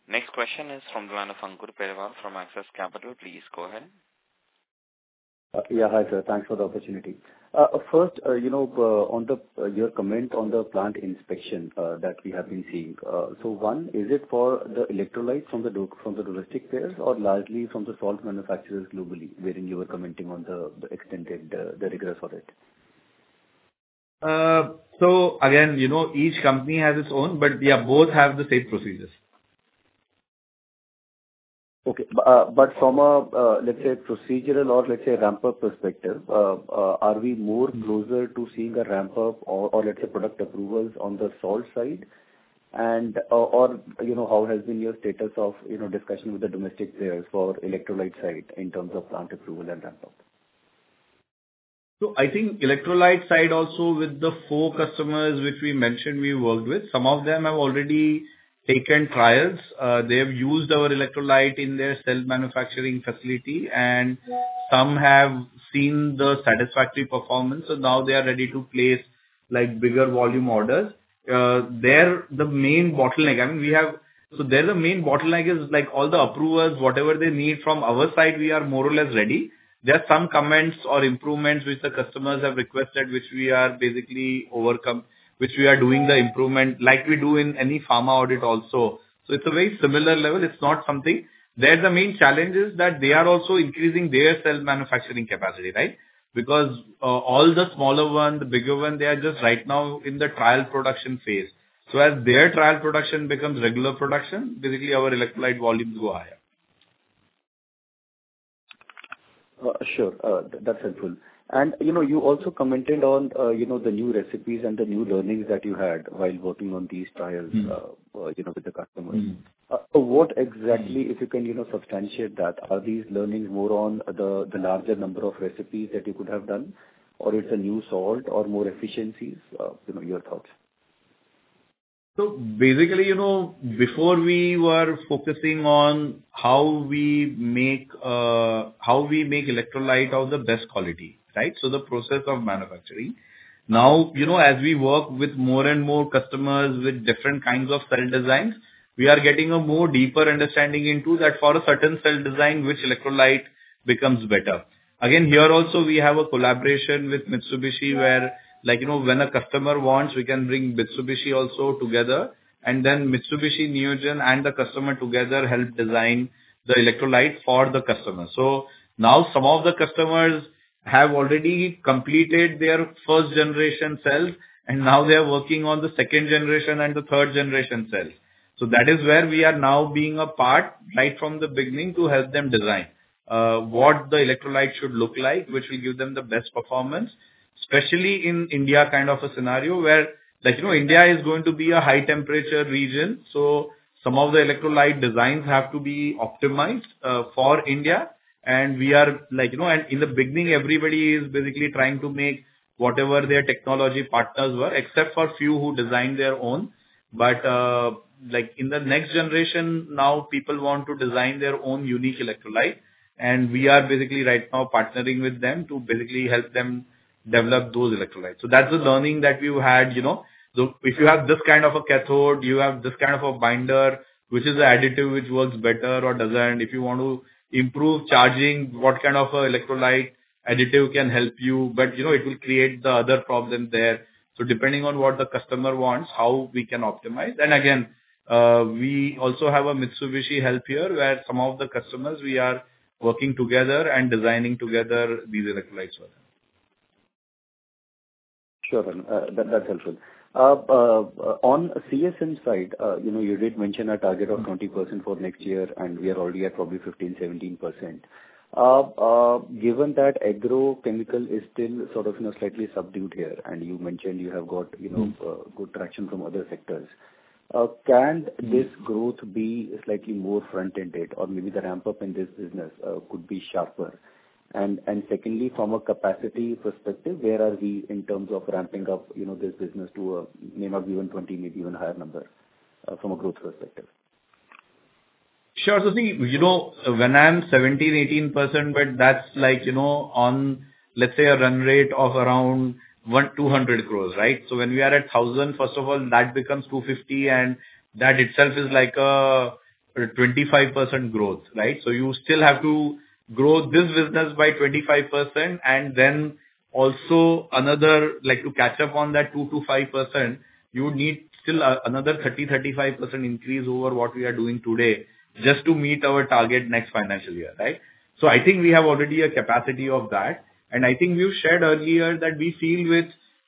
Next question is from the line of Ankur Periwal from Axis Capital. Please go ahead. Yeah. Hi, sir. Thanks for the opportunity. First, on your comment on the plant inspection that we have been seeing, so one, is it for the electrolytes from the domestic players or largely from the salt manufacturers globally wherein you were commenting on the extended rigorous audit? So again, each company has its own, but they both have the same procedures. Okay. But from a, let's say, procedural or, let's say, ramp-up perspective, are we more closer to seeing a ramp-up or, let's say, product approvals on the salt side? And how has been your status of discussion with the domestic players for electrolyte side in terms of plant approval and ramp-up? So I think electrolyte side also with the four customers which we mentioned we worked with, some of them have already taken trials. They have used our electrolyte in their self-manufacturing facility, and some have seen the satisfactory performance. So now they are ready to place bigger volume orders. They're the main bottleneck. I mean, we have so they're the main bottleneck is all the approvers, whatever they need from our side, we are more or less ready. There are some comments or improvements which the customers have requested, which we are basically overcome, which we are doing the improvement like we do in any pharma audit also. So it's a very similar level. It's not something there's a main challenge is that they are also increasing their self-manufacturing capacity, right? Because all the smaller ones, the bigger ones, they are just right now in the trial production phase. As their trial production becomes regular production, basically our electrolyte volumes go higher. Sure. That's helpful. And you also commented on the new recipes and the new learnings that you had while working on these trials with the customers. What exactly, if you can substantiate that, are these learnings more on the larger number of recipes that you could have done, or it's a new salt or more efficiencies? Your thoughts? So basically, before we were focusing on how we make electrolyte of the best quality, right? So the process of manufacturing. Now, as we work with more and more customers with different kinds of cell designs, we are getting a more deeper understanding into that for a certain cell design, which electrolyte becomes better. Again, here also, we have a collaboration with Mitsubishi where when a customer wants, we can bring Mitsubishi also together. And then Mitsubishi, Neogen, and the customer together help design the electrolyte for the customer. So now some of the customers have already completed their first generation cells, and now they are working on the second generation and the third generation cells. So that is where we are now being a part right from the beginning to help them design what the electrolyte should look like, which will give them the best performance, especially in India kind of a scenario where India is going to be a high temperature region. Some of the electrolyte designs have to be optimized for India. We are in the beginning; everybody is basically trying to make whatever their technology partners were, except for a few who designed their own. In the next generation, now people want to design their own unique electrolyte. We are basically right now partnering with them to basically help them develop those electrolytes. That's the learning that we had. If you have this kind of a cathode, you have this kind of a binder, which is an additive which works better or doesn't. If you want to improve charging, what kind of electrolyte additive can help you? But it will create the other problem there. So depending on what the customer wants, how we can optimize. And again, we also have a Mitsubishi help here where some of the customers, we are working together and designing together these electrolytes for them. Sure. That's helpful. On CSM side, you did mention a target of 20% for next year, and we are already at probably 15%-17%. Given that agrochemical is still sort of slightly subdued here, and you mentioned you have got good traction from other sectors, can this growth be slightly more front-ended, or maybe the ramp-up in this business could be sharper? And secondly, from a capacity perspective, where are we in terms of ramping up this business to a nameplate of even 20, maybe even higher number from a growth perspective? Sure. So see, when I'm 17%-18%, but that's on, let's say, a run rate of around 200 crore, right? So when we are at 1,000, first of all, that becomes 250, and that itself is like a 25% growth, right? So you still have to grow this business by 25%. And then also another to catch up on that 2%-5%, you would need still another 30%-35% increase over what we are doing today just to meet our target next financial year, right? So I think we have already a capacity of that. And I think we've shared earlier that we feel with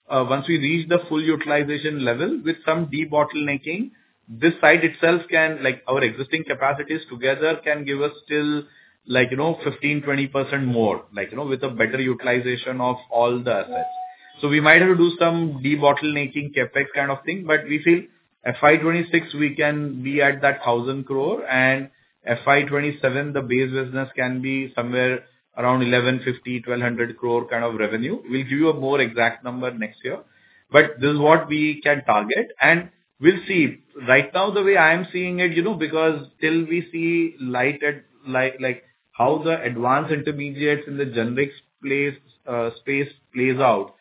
once we reach the full utilization level, with some de-bottlenecking, this side itself can our existing capacities together can give us still 15%-20% more with a better utilization of all the assets. So we might have to do some de-bottlenecking CapEx kind of thing. But we feel FY26, we can be at that 1,000 crore, and FY27, the base business can be somewhere around 1,150-1,200 crore kind of revenue. We'll give you a more exact number next year. But this is what we can target. And we'll see. Right now, the way I am seeing it, because till we see light at how the advanced intermediates in the generic space plays out,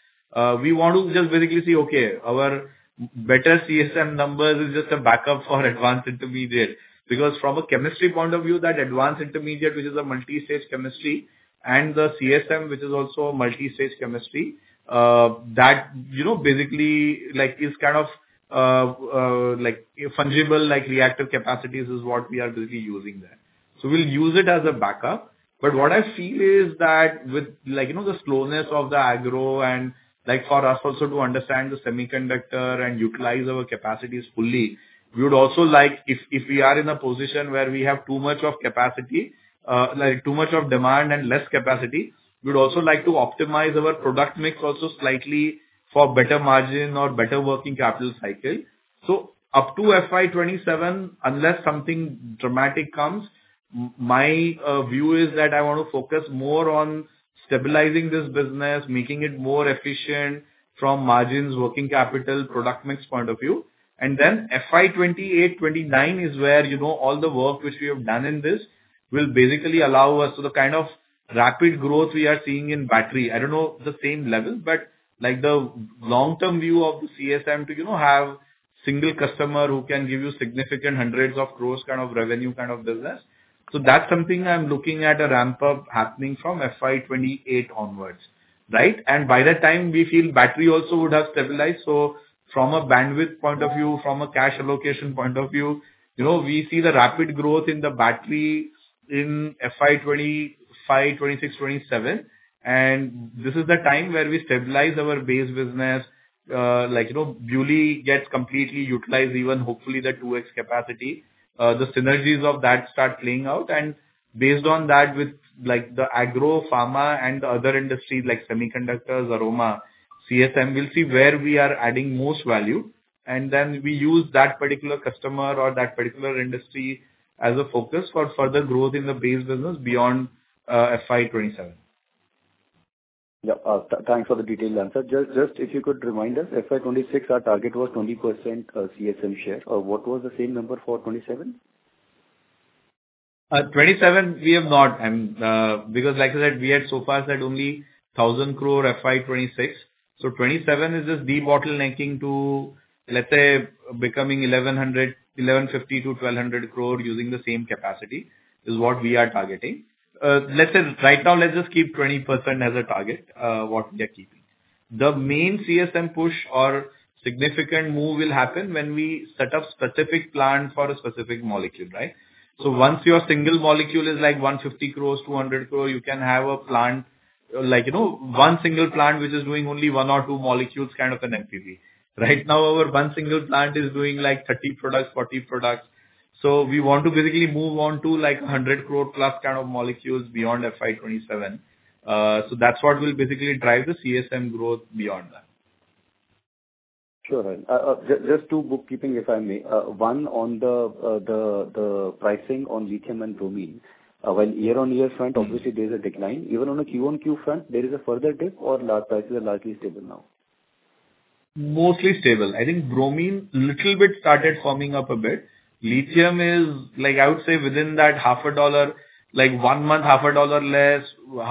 we want to just basically see, okay, our better CSM numbers is just a backup for advanced intermediate. Because from a chemistry point of view, that advanced intermediate, which is a multi-stage chemistry, and the CSM, which is also a multi-stage chemistry, that basically is kind of fungible reactive capacities is what we are basically using there. So we'll use it as a backup. But what I feel is that with the slowness of the agro and for us also to understand the semiconductor and utilize our capacities fully, we would also like if we are in a position where we have too much of capacity, too much of demand and less capacity, we would also like to optimize our product mix also slightly for better margin or better working capital cycle. So up to FY27, unless something dramatic comes, my view is that I want to focus more on stabilizing this business, making it more efficient from margins, working capital, product mix point of view. And then FY28, 29 is where all the work which we have done in this will basically allow us to the kind of rapid growth we are seeing in battery. I don't know the same level, but the long-term view of the CSM to have single customer who can give you significant hundreds of crore kind of revenue kind of business. So that's something I'm looking at a ramp-up happening from FY28 onwards, right? And by that time, we feel battery also would have stabilized. So from a bandwidth point of view, from a cash allocation point of view, we see the rapid growth in the battery in FY25, FY26, FY27. And this is the time where we stabilize our base business, Dahej gets completely utilized, even hopefully the 2X capacity. The synergies of that start playing out. And based on that, with the agro, pharma, and other industries like semiconductors, aroma, CSM, we'll see where we are adding most value. And then we use that particular customer or that particular industry as a focus for further growth in the base business beyond FY27. Yeah. Thanks for the detailed answer. Just if you could remind us, FY26, our target was 20% CSM share. What was the same number for FY27? FY27, we have not. Because like I said, we had so far said only 1,000 crore FY26. So FY27 is just de-bottlenecking to, let's say, becoming 1,150-1,200 crore using the same capacity is what we are targeting. Let's say right now, let's just keep 20% as a target what they're keeping. The main CSM push or significant move will happen when we set up specific plants for a specific molecule, right? So once your single molecule is like 150 crore, 200 crore, you can have a plant, one single plant which is doing only one or two molecules kind of an MPP. Right now, our one single plant is doing like 30 products, 40 products. So we want to basically move on to like 100 crore plus kind of molecules beyond FY27. So that's what will basically drive the CSM growth beyond that. Sure. Just two bookkeeping, if I may. One on the pricing on lithium and bromine. On the year-on-year front, obviously, there's a decline. Even on a Q-o-Q front, there is a further dip or prices are largely stable now? Mostly stable. I think bromine a little bit started firming up a bit. Lithium is, I would say, within that $0.50, one month, $0.50 less, $1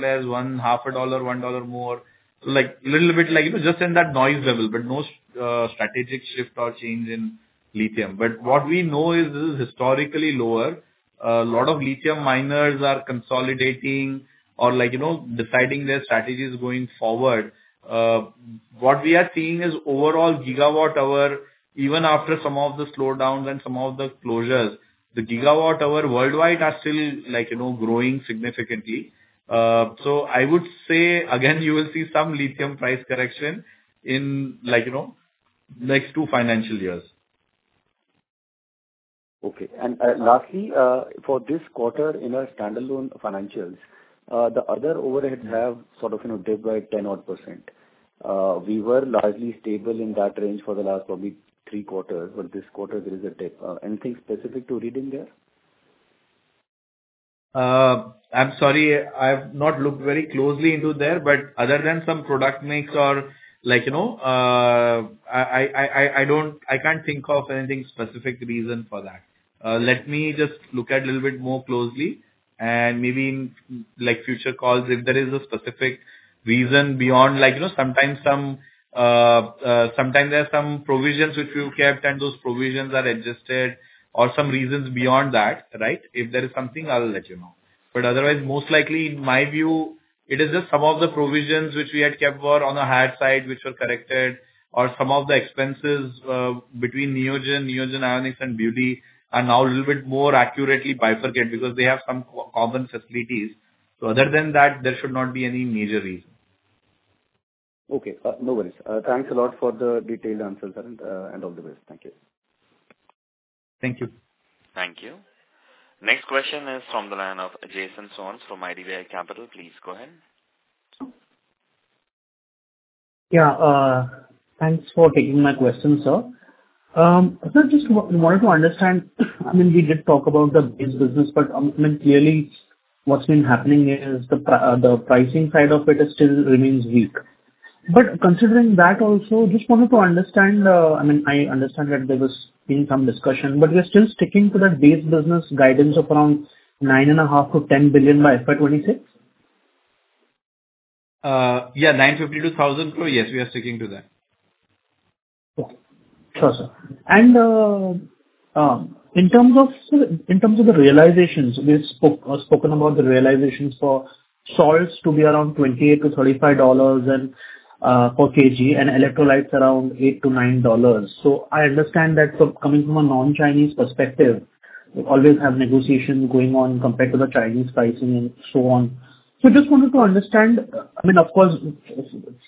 less, $1.50, $1 more. So a little bit just in that noise level, but no strategic shift or change in lithium. But what we know is this is historically lower. A lot of lithium miners are consolidating or deciding their strategies going forward. What we are seeing is overall gigawatt-hour, even after some of the slowdowns and some of the closures, the gigawatt-hour worldwide are still growing significantly. So I would say, again, you will see some lithium price correction in the next two financial years. Okay. And lastly, for this quarter in our standalone financials, the other overheads have sort of a dip by 10-odd%. We were largely stable in that range for the last probably three quarters. But this quarter, there is a dip. Anything specific to read in there? I'm sorry, I've not looked very closely into there, but other than some product mix or I can't think of anything specific reason for that. Let me just look at it a little bit more closely and maybe in future calls if there is a specific reason beyond sometimes there are some provisions which we have kept, and those provisions are adjusted or some reasons beyond that, right? If there is something, I'll let you know. But otherwise, most likely, in my view, it is just some of the provisions which we had kept on the higher side, which were corrected, or some of the expenses between Neogen, Neogen Ionics, and BuLi are now a little bit more accurately bifurcated because they have some common facilities. So other than that, there should not be any major reason. Okay. No worries. Thanks a lot for the detailed answers, and all the best. Thank you. Thank you. Thank you. Next question is from the line of Jason Soans from IDBI Capital. Please go ahead. Yeah. Thanks for taking my question, sir. So just wanted to understand, I mean, we did talk about the base business, but clearly, what's been happening is the pricing side of it still remains weak. But considering that also, just wanted to understand, I mean, I understand that there was been some discussion, but we are still sticking to that base business guidance of around 9.5 billion-10 billion by FY26? Yeah. 950 crore-1,000 crore, yes, we are sticking to that. Okay. Sure, sir. And in terms of the realizations, we've spoken about the realizations for salts to be around $28-$35 per kg and electrolytes around $8-$9. So I understand that coming from a non-Chinese perspective, we always have negotiations going on compared to the Chinese pricing and so on. So just wanted to understand, I mean, of course,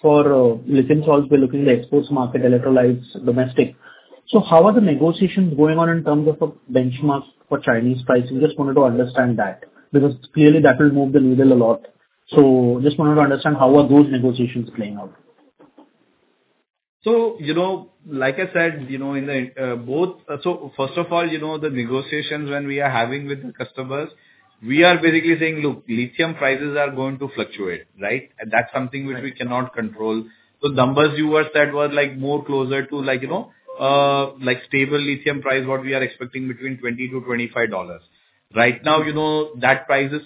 for lithium salts, we're looking at the export market, electrolytes, domestic. So how are the negotiations going on in terms of a benchmark for Chinese pricing? Just wanted to understand that because clearly, that will move the needle a lot. So just wanted to understand how are those negotiations playing out? So like I said, in both, so first of all, the negotiations when we are having with the customers, we are basically saying, "Look, lithium prices are going to fluctuate," right? And that's something which we cannot control. The numbers you were said were more closer to stable lithium price, what we are expecting between $20-$25. Right now, that price is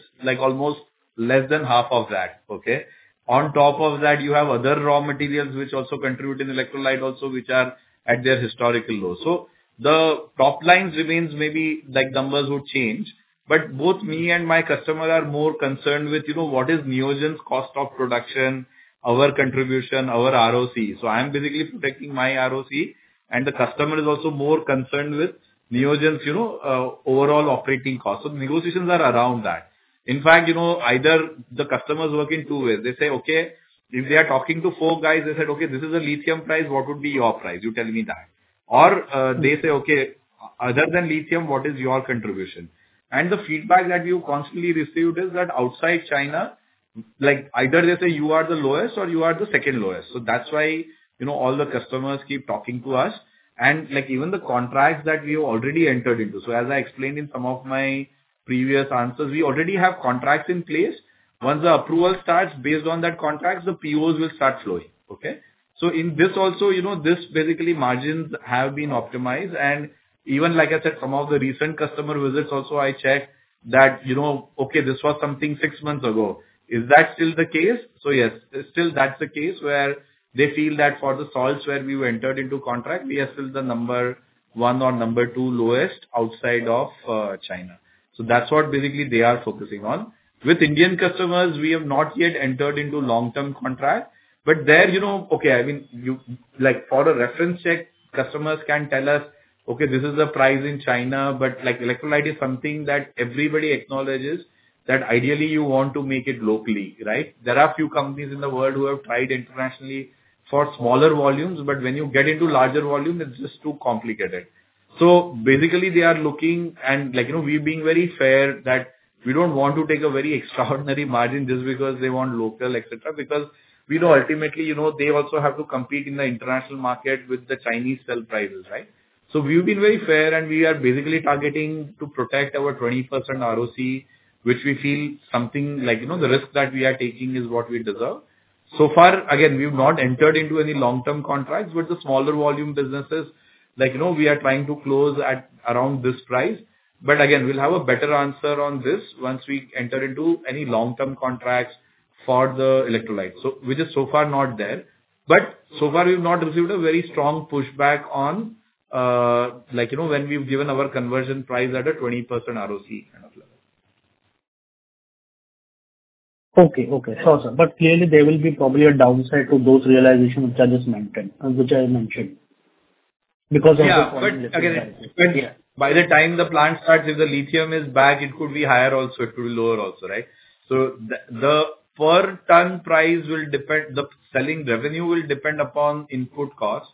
almost less than half of that, okay? On top of that, you have other raw materials which also contribute in electrolyte also, which are at their historical low. So the top lines remains, maybe numbers would change. But both me and my customer are more concerned with what is Neogen's cost of production, our contribution, our ROC. So I'm basically protecting my ROC, and the customer is also more concerned with Neogen's overall operating cost. So the negotiations are around that. In fact, either the customer is working two ways. They say, "Okay, if they are talking to four guys, they said, 'Okay, this is the lithium price. What would be your price? You tell me that.'" Or they say, "Okay, other than lithium, what is your contribution?" And the feedback that we constantly received is that outside China, either they say, "You are the lowest," or "You are the second lowest." So that's why all the customers keep talking to us. And even the contracts that we have already entered into. So as I explained in some of my previous answers, we already have contracts in place. Once the approval starts, based on that contract, the POs will start flowing, okay? So in this also, this basically margins have been optimized. Even like I said, some of the recent customer visits also, I checked that. "Okay, this was something six months ago. Is that still the case?" Yes, still that's the case where they feel that for the salts where we entered into contract, we are still the number one or number two lowest outside of China. That's what basically they are focusing on. With Indian customers, we have not yet entered into long-term contract. There, okay. I mean, for a reference check, customers can tell us, "Okay, this is the price in China," but electrolyte is something that everybody acknowledges that ideally you want to make it locally, right? There are a few companies in the world who have tried internationally for smaller volumes, but when you get into larger volume, it's just too complicated. So basically, they are looking, and we're being very fair that we don't want to take a very extraordinary margin just because they want local, etc., because ultimately, they also have to compete in the international market with the Chinese cell prices, right? So we've been very fair, and we are basically targeting to protect our 20% ROC, which we feel something like the risk that we are taking is what we deserve. So far, again, we have not entered into any long-term contracts with the smaller volume businesses. We are trying to close at around this price. But again, we'll have a better answer on this once we enter into any long-term contracts for the electrolytes. So we're just so far not there. But so far, we've not received a very strong pushback on when we've given our conversion price at a 20% ROC kind of level. Okay. Sure, sir. But clearly, there will probably be a downside to those realizations which I just mentioned because of the conversation. Yeah. By the time the plant starts, if the lithium is back, it could be higher also. It could be lower also, right? So the per ton price will depend. The selling revenue will depend upon input cost.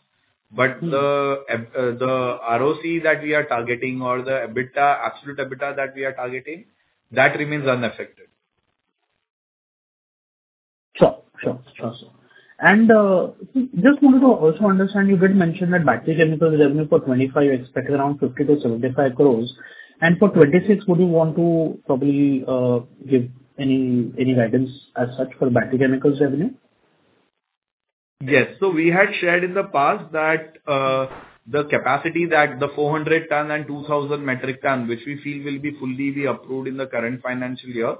But the ROC that we are targeting or the absolute EBITDA that we are targeting, that remains unaffected. Sure, sir. And just wanted to also understand, you did mention that battery chemicals revenue for 25, you expected around 50 crore-75 crore. And for 26, would you want to probably give any guidance as such for battery chemicals revenue? Yes. So we had shared in the past that the capacity that the 400 ton and 2,000 metric ton, which we feel will be fully approved in the current financial year,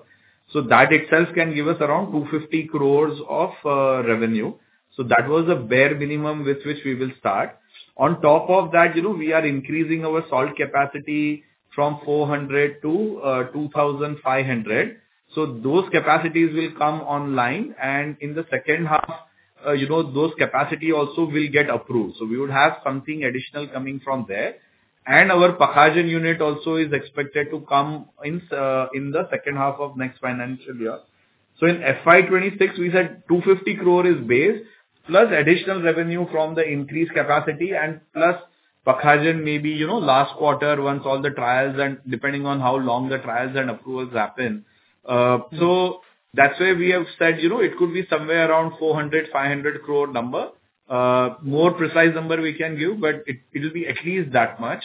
so that itself can give us around 250 crore of revenue. So that was a bare minimum with which we will start. On top of that, we are increasing our salt capacity from 400 to 2,500. So those capacities will come online. And in the second half, those capacity also will get approved. So we would have something additional coming from there. And our Pakhajan unit also is expected to come in the second half of next financial year. So in FY26, we said 250 crore is base, plus additional revenue from the increased capacity, and plus Pakhajan maybe last quarter once all the trials and depending on how long the trials and approvals happen. So that's why we have said it could be somewhere around 400 crore-500 crore number. More precise number we can give, but it will be at least that much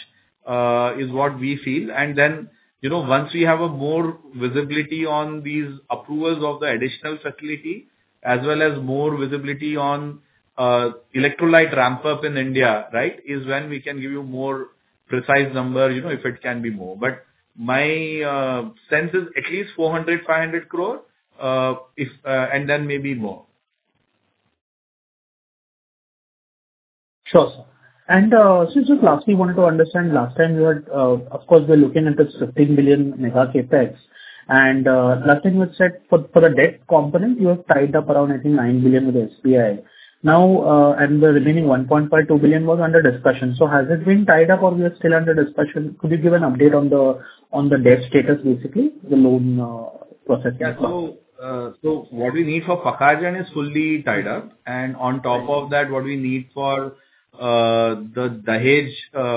is what we feel. And then once we have more visibility on these approvals of the additional facility, as well as more visibility on electrolyte ramp-up in India, right, is when we can give you more precise number if it can be more. But my sense is at least 400 crore-500 crore, and then maybe more. Sure, sir. And so just lastly, wanted to understand, last time you had, of course, we're looking at this 15 billion mega CapEx. And last time you had said for the debt component, you have tied up around, I think, 9 billion with SBI. Now, and the remaining 1.5 billion-2 billion was under discussion. So has it been tied up, or we are still under discussion? Could you give an update on the debt status, basically, the loan processing? Yeah. So what we need for Pakhajan is fully tied up. And on top of that, what we need for the Dahej,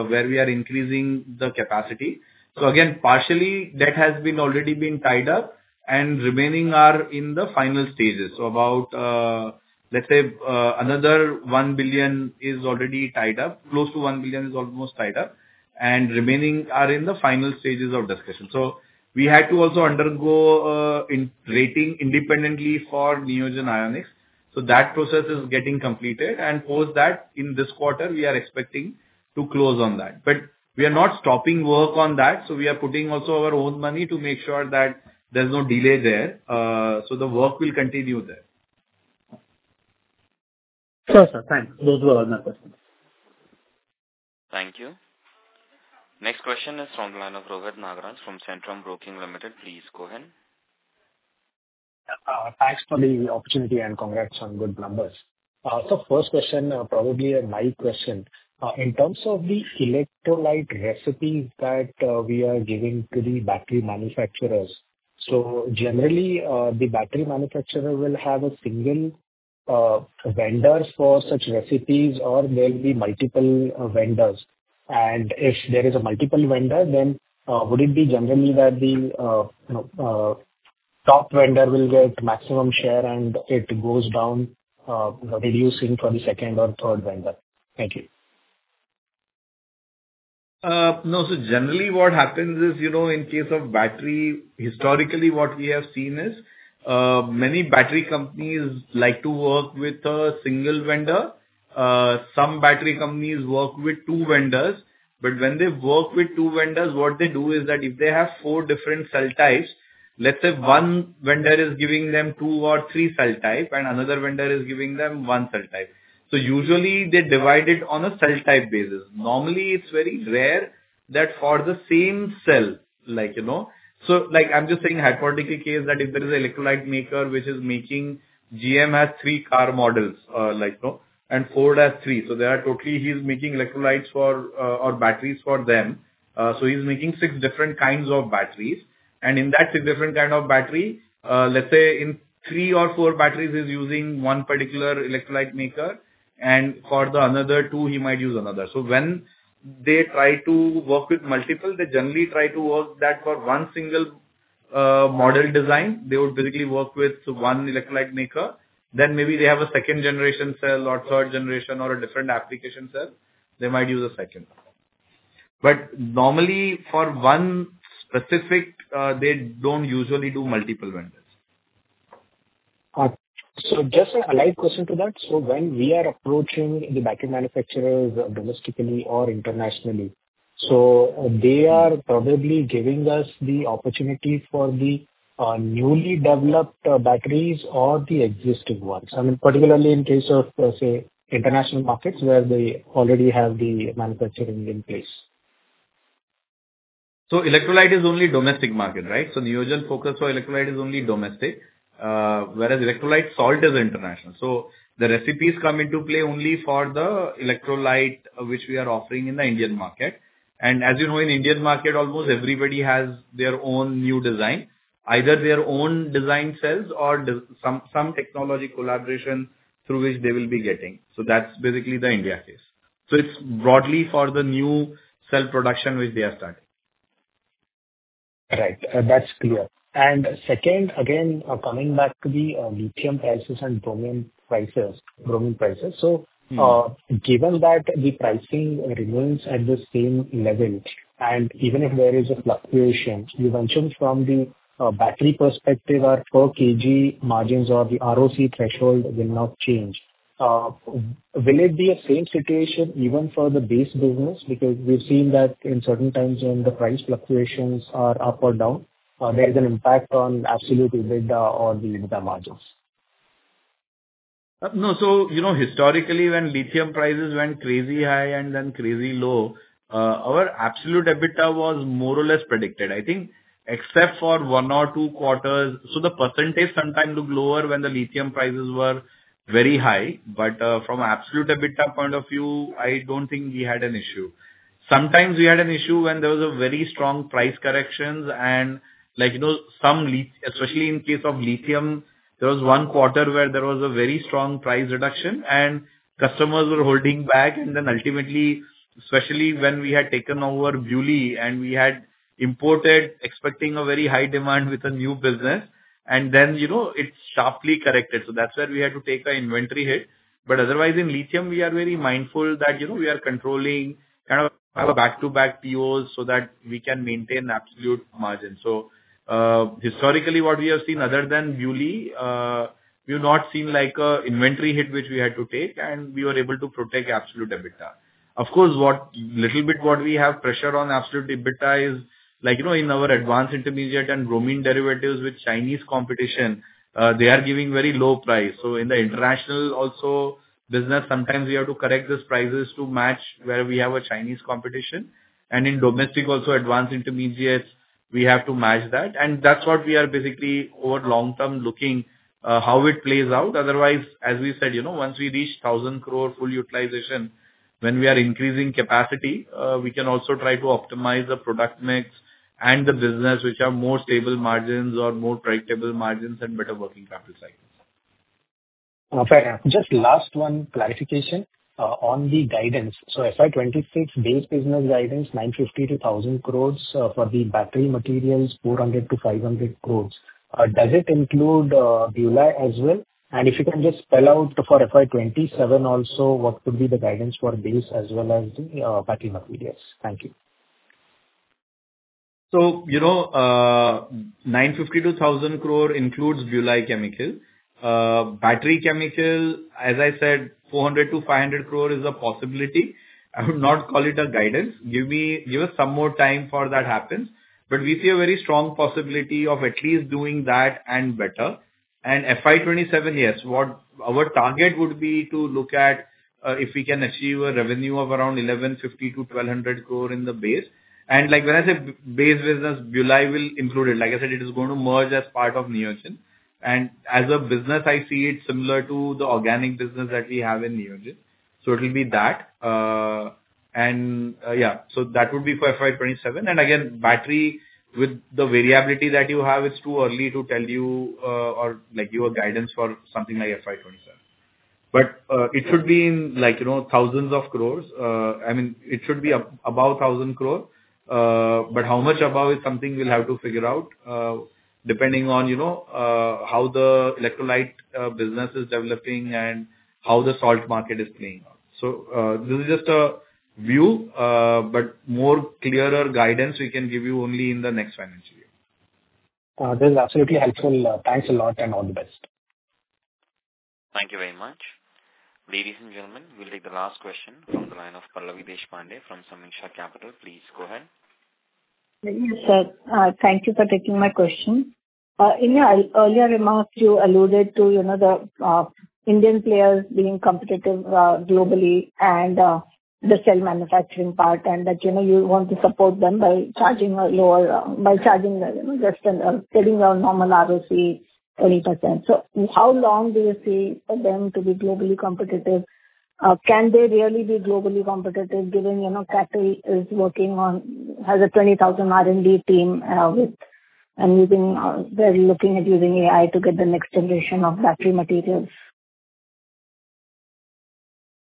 where we are increasing the capacity. So again, partially, that has already been tied up, and remaining are in the final stages. So about, let's say, another 1 billion is already tied up. Close to 1 billion is almost tied up. And remaining are in the final stages of discussion. So we had to also undergo rating independently for Neogen Ionics. So that process is getting completed. And post that, in this quarter, we are expecting to close on that. But we are not stopping work on that. So we are putting also our own money to make sure that there's no delay there. So the work will continue there. Sure, sir. Thanks. Those were all my questions. Thank you. Next question is from the line of Rohit Nagraj from Centrum Broking Limited. Please go ahead. Thanks for the opportunity and congrats on good numbers. So first question, probably a light question. In terms of the electrolyte recipes that we are giving to the battery manufacturers, so generally, the battery manufacturer will have a single vendor for such recipes, or there will be multiple vendors. And if there is a multiple vendor, then would it be generally that the top vendor will get maximum share, and it goes down, reducing for the second or third vendor? Thank you. No. So, generally, what happens is, in case of battery, historically, what we have seen is many battery companies like to work with a single vendor. Some battery companies work with two vendors. But when they work with two vendors, what they do is that if they have four different cell types, let's say one vendor is giving them two or three cell types, and another vendor is giving them one cell type. So usually, they're divided on a cell type basis. Normally, it's very rare that for the same cell. So I'm just saying hypothetical case that if there is an electrolyte maker which is making GM has three car models and Ford has three. So there are totally he's making electrolytes or batteries for them. So he's making six different kinds of batteries. In that six different kind of battery, let's say in three or four batteries, he's using one particular electrolyte maker. For the another two, he might use another. When they try to work with multiple, they generally try to work that for one single model design. They would basically work with one electrolyte maker. Maybe they have a second generation cell or third generation or a different application cell. They might use a second. Normally, for one specific, they don't usually do multiple vendors. So just a light question to that. So when we are approaching the battery manufacturers domestically or internationally, so they are probably giving us the opportunity for the newly developed batteries or the existing ones, I mean, particularly in case of, let's say, international markets where they already have the manufacturing in place. So electrolyte is only domestic market, right? So Neogen focus for electrolyte is only domestic, whereas electrolyte salt is international. So the recipes come into play only for the electrolyte which we are offering in the Indian market. And as you know, in Indian market, almost everybody has their own new design, either their own design cells or some technology collaboration through which they will be getting. So that's basically the India case. So it's broadly for the new cell production which they are starting. Right. That's clear. And second, again, coming back to the lithium prices and bromine prices. So given that the pricing remains at the same level, and even if there is a fluctuation, you mentioned from the battery perspective, our per kg margins or the ROC threshold will not change. Will it be a same situation even for the base business? Because we've seen that in certain times when the price fluctuations are up or down, there is an impact on absolute EBITDA or the EBITDA margins. No. So historically, when lithium prices went crazy high and then crazy low, our absolute EBITDA was more or less predicted, I think, except for one or two quarters. So the percentage sometimes looked lower when the lithium prices were very high. But from absolute EBITDA point of view, I don't think we had an issue. Sometimes we had an issue when there was a very strong price correction. And especially in case of lithium, there was one quarter where there was a very strong price reduction, and customers were holding back. And then ultimately, especially when we had taken over BuLi and we had imported, expecting a very high demand with a new business, and then it sharply corrected. So that's where we had to take an inventory hit. But otherwise, in lithium, we are very mindful that we are controlling kind of back-to-back POs so that we can maintain absolute margin. So historically, what we have seen, other than BuLi, we have not seen an inventory hit which we had to take, and we were able to protect absolute EBITDA. Of course, a little bit what we have pressured on absolute EBITDA is in our advanced intermediates and bromine derivatives with Chinese competition, they are giving very low price. So in the international also business, sometimes we have to correct these prices to match where we have a Chinese competition. And in domestic also, advanced intermediates, we have to match that. And that's what we are basically over long term looking how it plays out. Otherwise, as we said, once we reach 1,000 crore full utilization, when we are increasing capacity, we can also try to optimize the product mix and the business, which are more stable margins or more predictable margins and better working capital cycles. Fair enough. Just last one clarification on the guidance. So FY26 base business guidance, 950 crore-1,000 crore for the battery materials, 400 crore-500 crore. Does it include BuLi as well? And if you can just spell out for FY27 also, what could be the guidance for base as well as the battery materials? Thank you. 950 crore- 1,000 crore includes BuLi Chemicals. Battery chemical, as I said, 400 crore-500 crore is a possibility. I would not call it a guidance. Give us some more time for that to happen, but we see a very strong possibility of at least doing that and better, and FY27, yes, our target would be to look at if we can achieve a revenue of around 1,150 crore-1,200 crore in the base, and when I say base business, BuLi will include it. Like I said, it is going to merge as part of Neogen, and as a business, I see it similar to the organic business that we have in Neogen, so it will be that, and yeah, so that would be for FY27, and again, battery with the variability that you have, it's too early to tell you or give a guidance for something like FY27. But it should be in thousands of crore. I mean, it should be above 1,000 crore. But how much above is something we'll have to figure out depending on how the electrolyte business is developing and how the salt market is playing out. So this is just a view, but more clearer guidance we can give you only in the next financial year. This is absolutely helpful. Thanks a lot and all the best. Thank you very much. Ladies and gentlemen, we'll take the last question from the line of Pallavi Deshpande from Sameeksha Capital. Please go ahead. Yes, sir. Thank you for taking my question. In your earlier remarks, you alluded to the Indian players being competitive globally and the cell manufacturing part and that you want to support them by charging lower, just getting a normal ROC 20%. So how long do you see them to be globally competitive? Can they really be globally competitive given CATL has a 20,000 R&D team and they're looking at using AI to get the next generation of battery materials?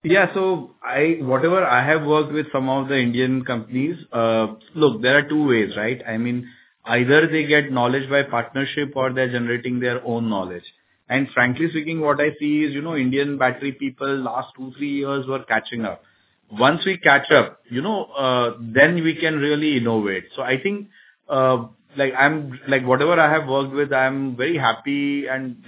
Yeah. So whatever I have worked with some of the Indian companies, look, there are two ways, right? I mean, either they get knowledge by partnership or they're generating their own knowledge. And frankly speaking, what I see is Indian battery people last two, three years were catching up. Once we catch up, then we can really innovate. So I think whatever I have worked with, I'm very happy and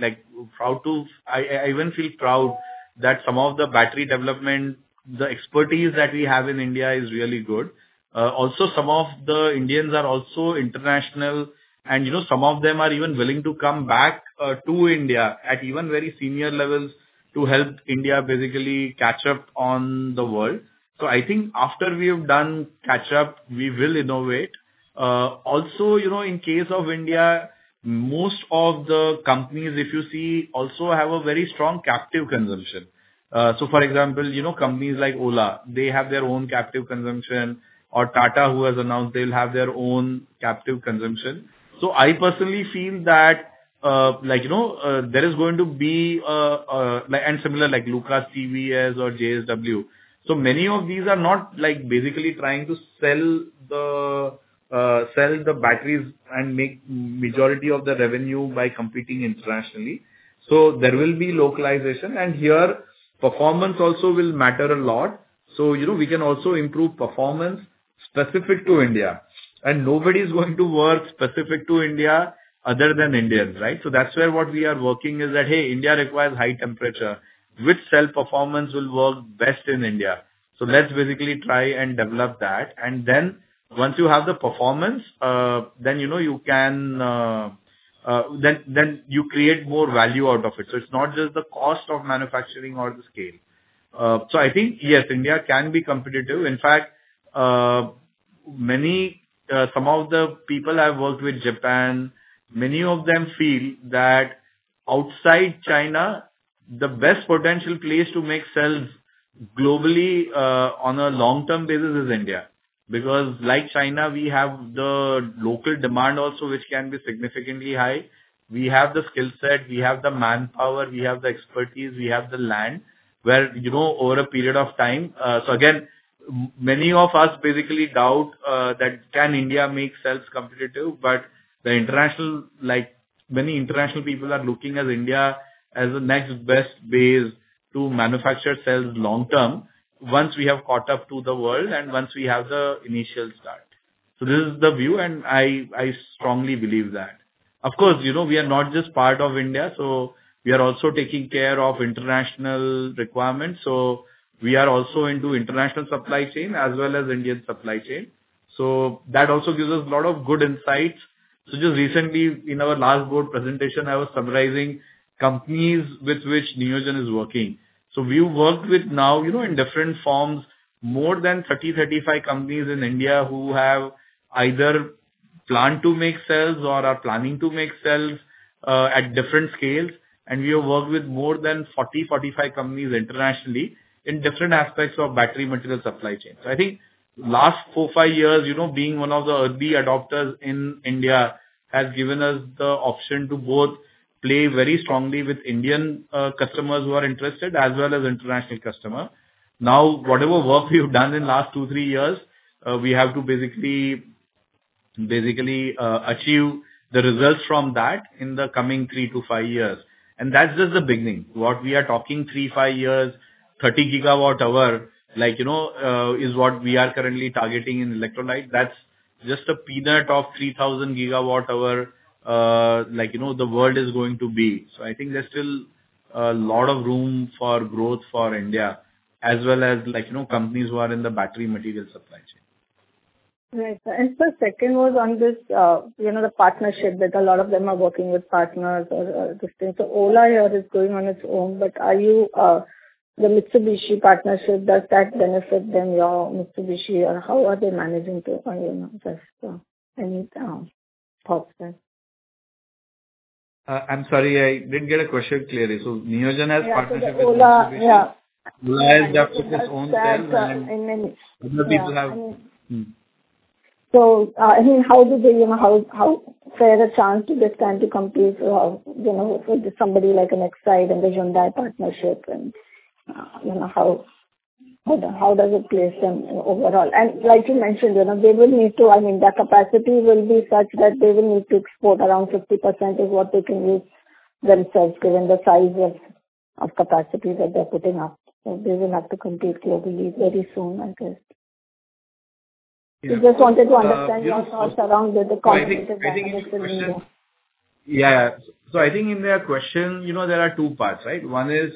proud to I even feel proud that some of the battery development, the expertise that we have in India is really good. Also, some of the Indians are also international, and some of them are even willing to come back to India at even very senior levels to help India basically catch up on the world. So I think after we have done catch up, we will innovate. Also, in case of India, most of the companies, if you see, also have a very strong captive consumption. So for example, companies like Ola, they have their own captive consumption, or Tata who has announced they'll have their own captive consumption. So I personally feel that there is going to be and similar like Lucas TVS or JSW. So many of these are not basically trying to sell the batteries and make majority of the revenue by competing internationally. So there will be localization. And here, performance also will matter a lot. So we can also improve performance specific to India. And nobody is going to work specific to India other than Indians, right? So that's where what we are working is that, hey, India requires high temperature. Which cell performance will work best in India? So let's basically try and develop that. Once you have the performance, then you can create more value out of it. So it's not just the cost of manufacturing or the scale. So I think, yes, India can be competitive. In fact, some of the people I've worked with in Japan, many of them feel that outside China, the best potential place to make cells globally on a long-term basis is India. Because like China, we have the local demand also which can be significantly high. We have the skill set. We have the manpower. We have the expertise. We have the land where over a period of time so again, many of us basically doubt that can India make cells competitive. But many international people are looking at India as the next best base to manufacture cells long term once we have caught up to the world and once we have the initial start. So this is the view, and I strongly believe that. Of course, we are not just part of India. So we are also taking care of international requirements. So we are also into international supply chain as well as Indian supply chain. So that also gives us a lot of good insights. So just recently, in our last board presentation, I was summarizing companies with which Neogen is working. So we've worked with now in different forms more than 30-35 companies in India who have either planned to make cells or are planning to make cells at different scales. And we have worked with more than 40, 45 companies internationally in different aspects of battery material supply chain. So I think last four, five years being one of the early adopters in India has given us the option to both play very strongly with Indian customers who are interested as well as international customers. Now, whatever work we have done in the last two, three years, we have to basically achieve the results from that in the coming three to five years. And that's just the beginning. What we are talking three, five years, 30 GWh is what we are currently targeting in electrolyte. That's just a peanut of 3,000 GWh the world is going to be. So I think there's still a lot of room for growth for India as well as companies who are in the battery material supply chain. Right, and so second was on this partnership that a lot of them are working with partners or this thing. So Ola here is going on its own, but the Mitsubishi partnership, does that benefit them, your Mitsubishi, or how are they managing to just any thoughts there? I'm sorry, I didn't get a question clearly. So Neogen has partnership with Mitsubishi. Ola has just its own cells, and then other people have. So I mean, how do they have a fair chance to get kind of companies for somebody like an Exide and the Hyundai partnership, and how does it place them overall? And like you mentioned, they will need to I mean, their capacity will be such that they will need to export around 50% of what they can use themselves given the size of capacity that they're putting up. So they will have to compete globally very soon, I guess. I just wanted to understand your thoughts around the competitive opportunity. Yeah. So I think in their question, there are two parts, right? One is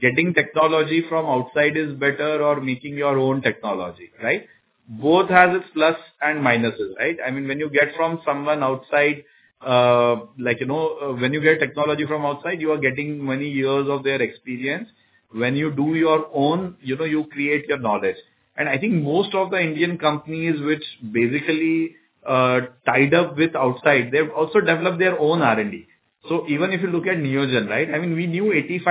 getting technology from outside is better or making your own technology, right? Both has its plus and minuses, right? I mean, when you get from someone outside when you get technology from outside, you are getting many years of their experience. When you do your own, you create your knowledge. And I think most of the Indian companies which basically tied up with outside, they've also developed their own R&D. So even if you look at Neogen, right, I mean, we knew 85%,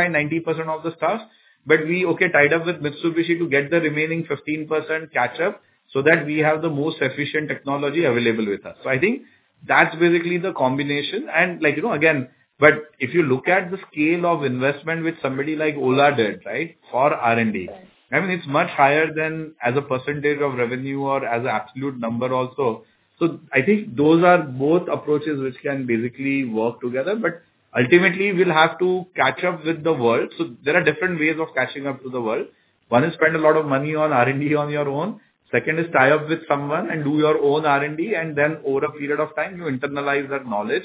90% of the stuff, but we, okay, tied up with Mitsubishi to get the remaining 15% catch up so that we have the most efficient technology available with us. So I think that's basically the combination. And again, but if you look at the scale of investment which somebody like Ola did, right, for R&D, I mean, it's much higher than as a percentage of revenue or as an absolute number also. So I think those are both approaches which can basically work together. But ultimately, we'll have to catch up with the world. So there are different ways of catching up to the world. One is spend a lot of money on R&D on your own. Second is tie up with someone and do your own R&D, and then over a period of time, you internalize that knowledge.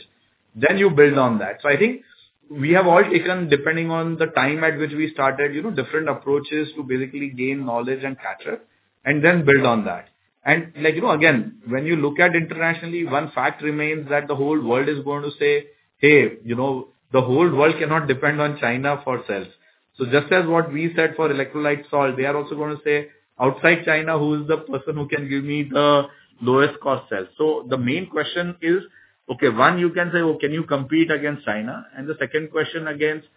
Then you build on that. So I think we have all taken, depending on the time at which we started, different approaches to basically gain knowledge and catch up and then build on that. Again, when you look at internationally, one fact remains that the whole world is going to say, "Hey, the whole world cannot depend on China for cells." So just as what we said for electrolyte salt, they are also going to say, "Outside China, who is the person who can give me the lowest-cost cells?" So the main question is, okay, one, you can say, "Well, can you compete against China?" And the second question against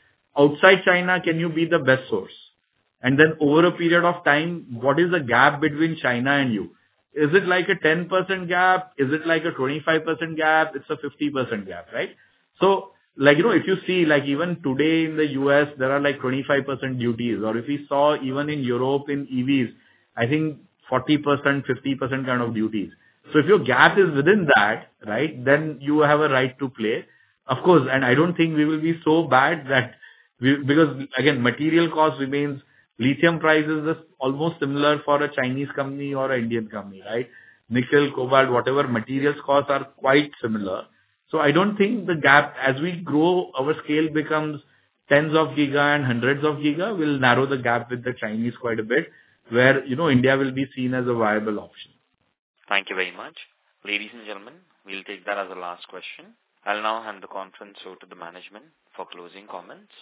outside China, "Can you be the best source?" And then over a period of time, what is the gap between China and you? Is it like a 10% gap? Is it like a 25% gap? It's a 50% gap, right? So if you see, even today in the U.S., there are like 25% duties. Or if we saw even in Europe in EVs, I think 40%, 50% kind of duties. So if your gap is within that, right, then you have a right to play. Of course, and I don't think we will be so bad that because, again, material cost remains. Lithium price is almost similar for a Chinese company or an Indian company, right? Nickel, cobalt, whatever materials costs are quite similar. So I don't think the gap, as we grow, our scale becomes tens of gigas and hundreds of gigas, we'll narrow the gap with the Chinese quite a bit where India will be seen as a viable option. Thank you very much. Ladies and gentlemen, we'll take that as a last question. I'll now hand the conference over to the management for closing comments.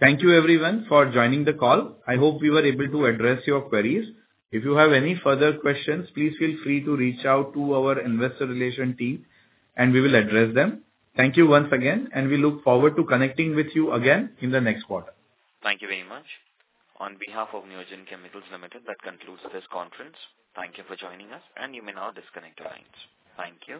Thank you, everyone, for joining the call. I hope we were able to address your queries. If you have any further questions, please feel free to reach out to our investor relations team, and we will address them. Thank you once again, and we look forward to connecting with you again in the next quarter. Thank you very much. On behalf of Neogen Chemicals Limited, that concludes this conference. Thank you for joining us, and you may now disconnect your lines. Thank you.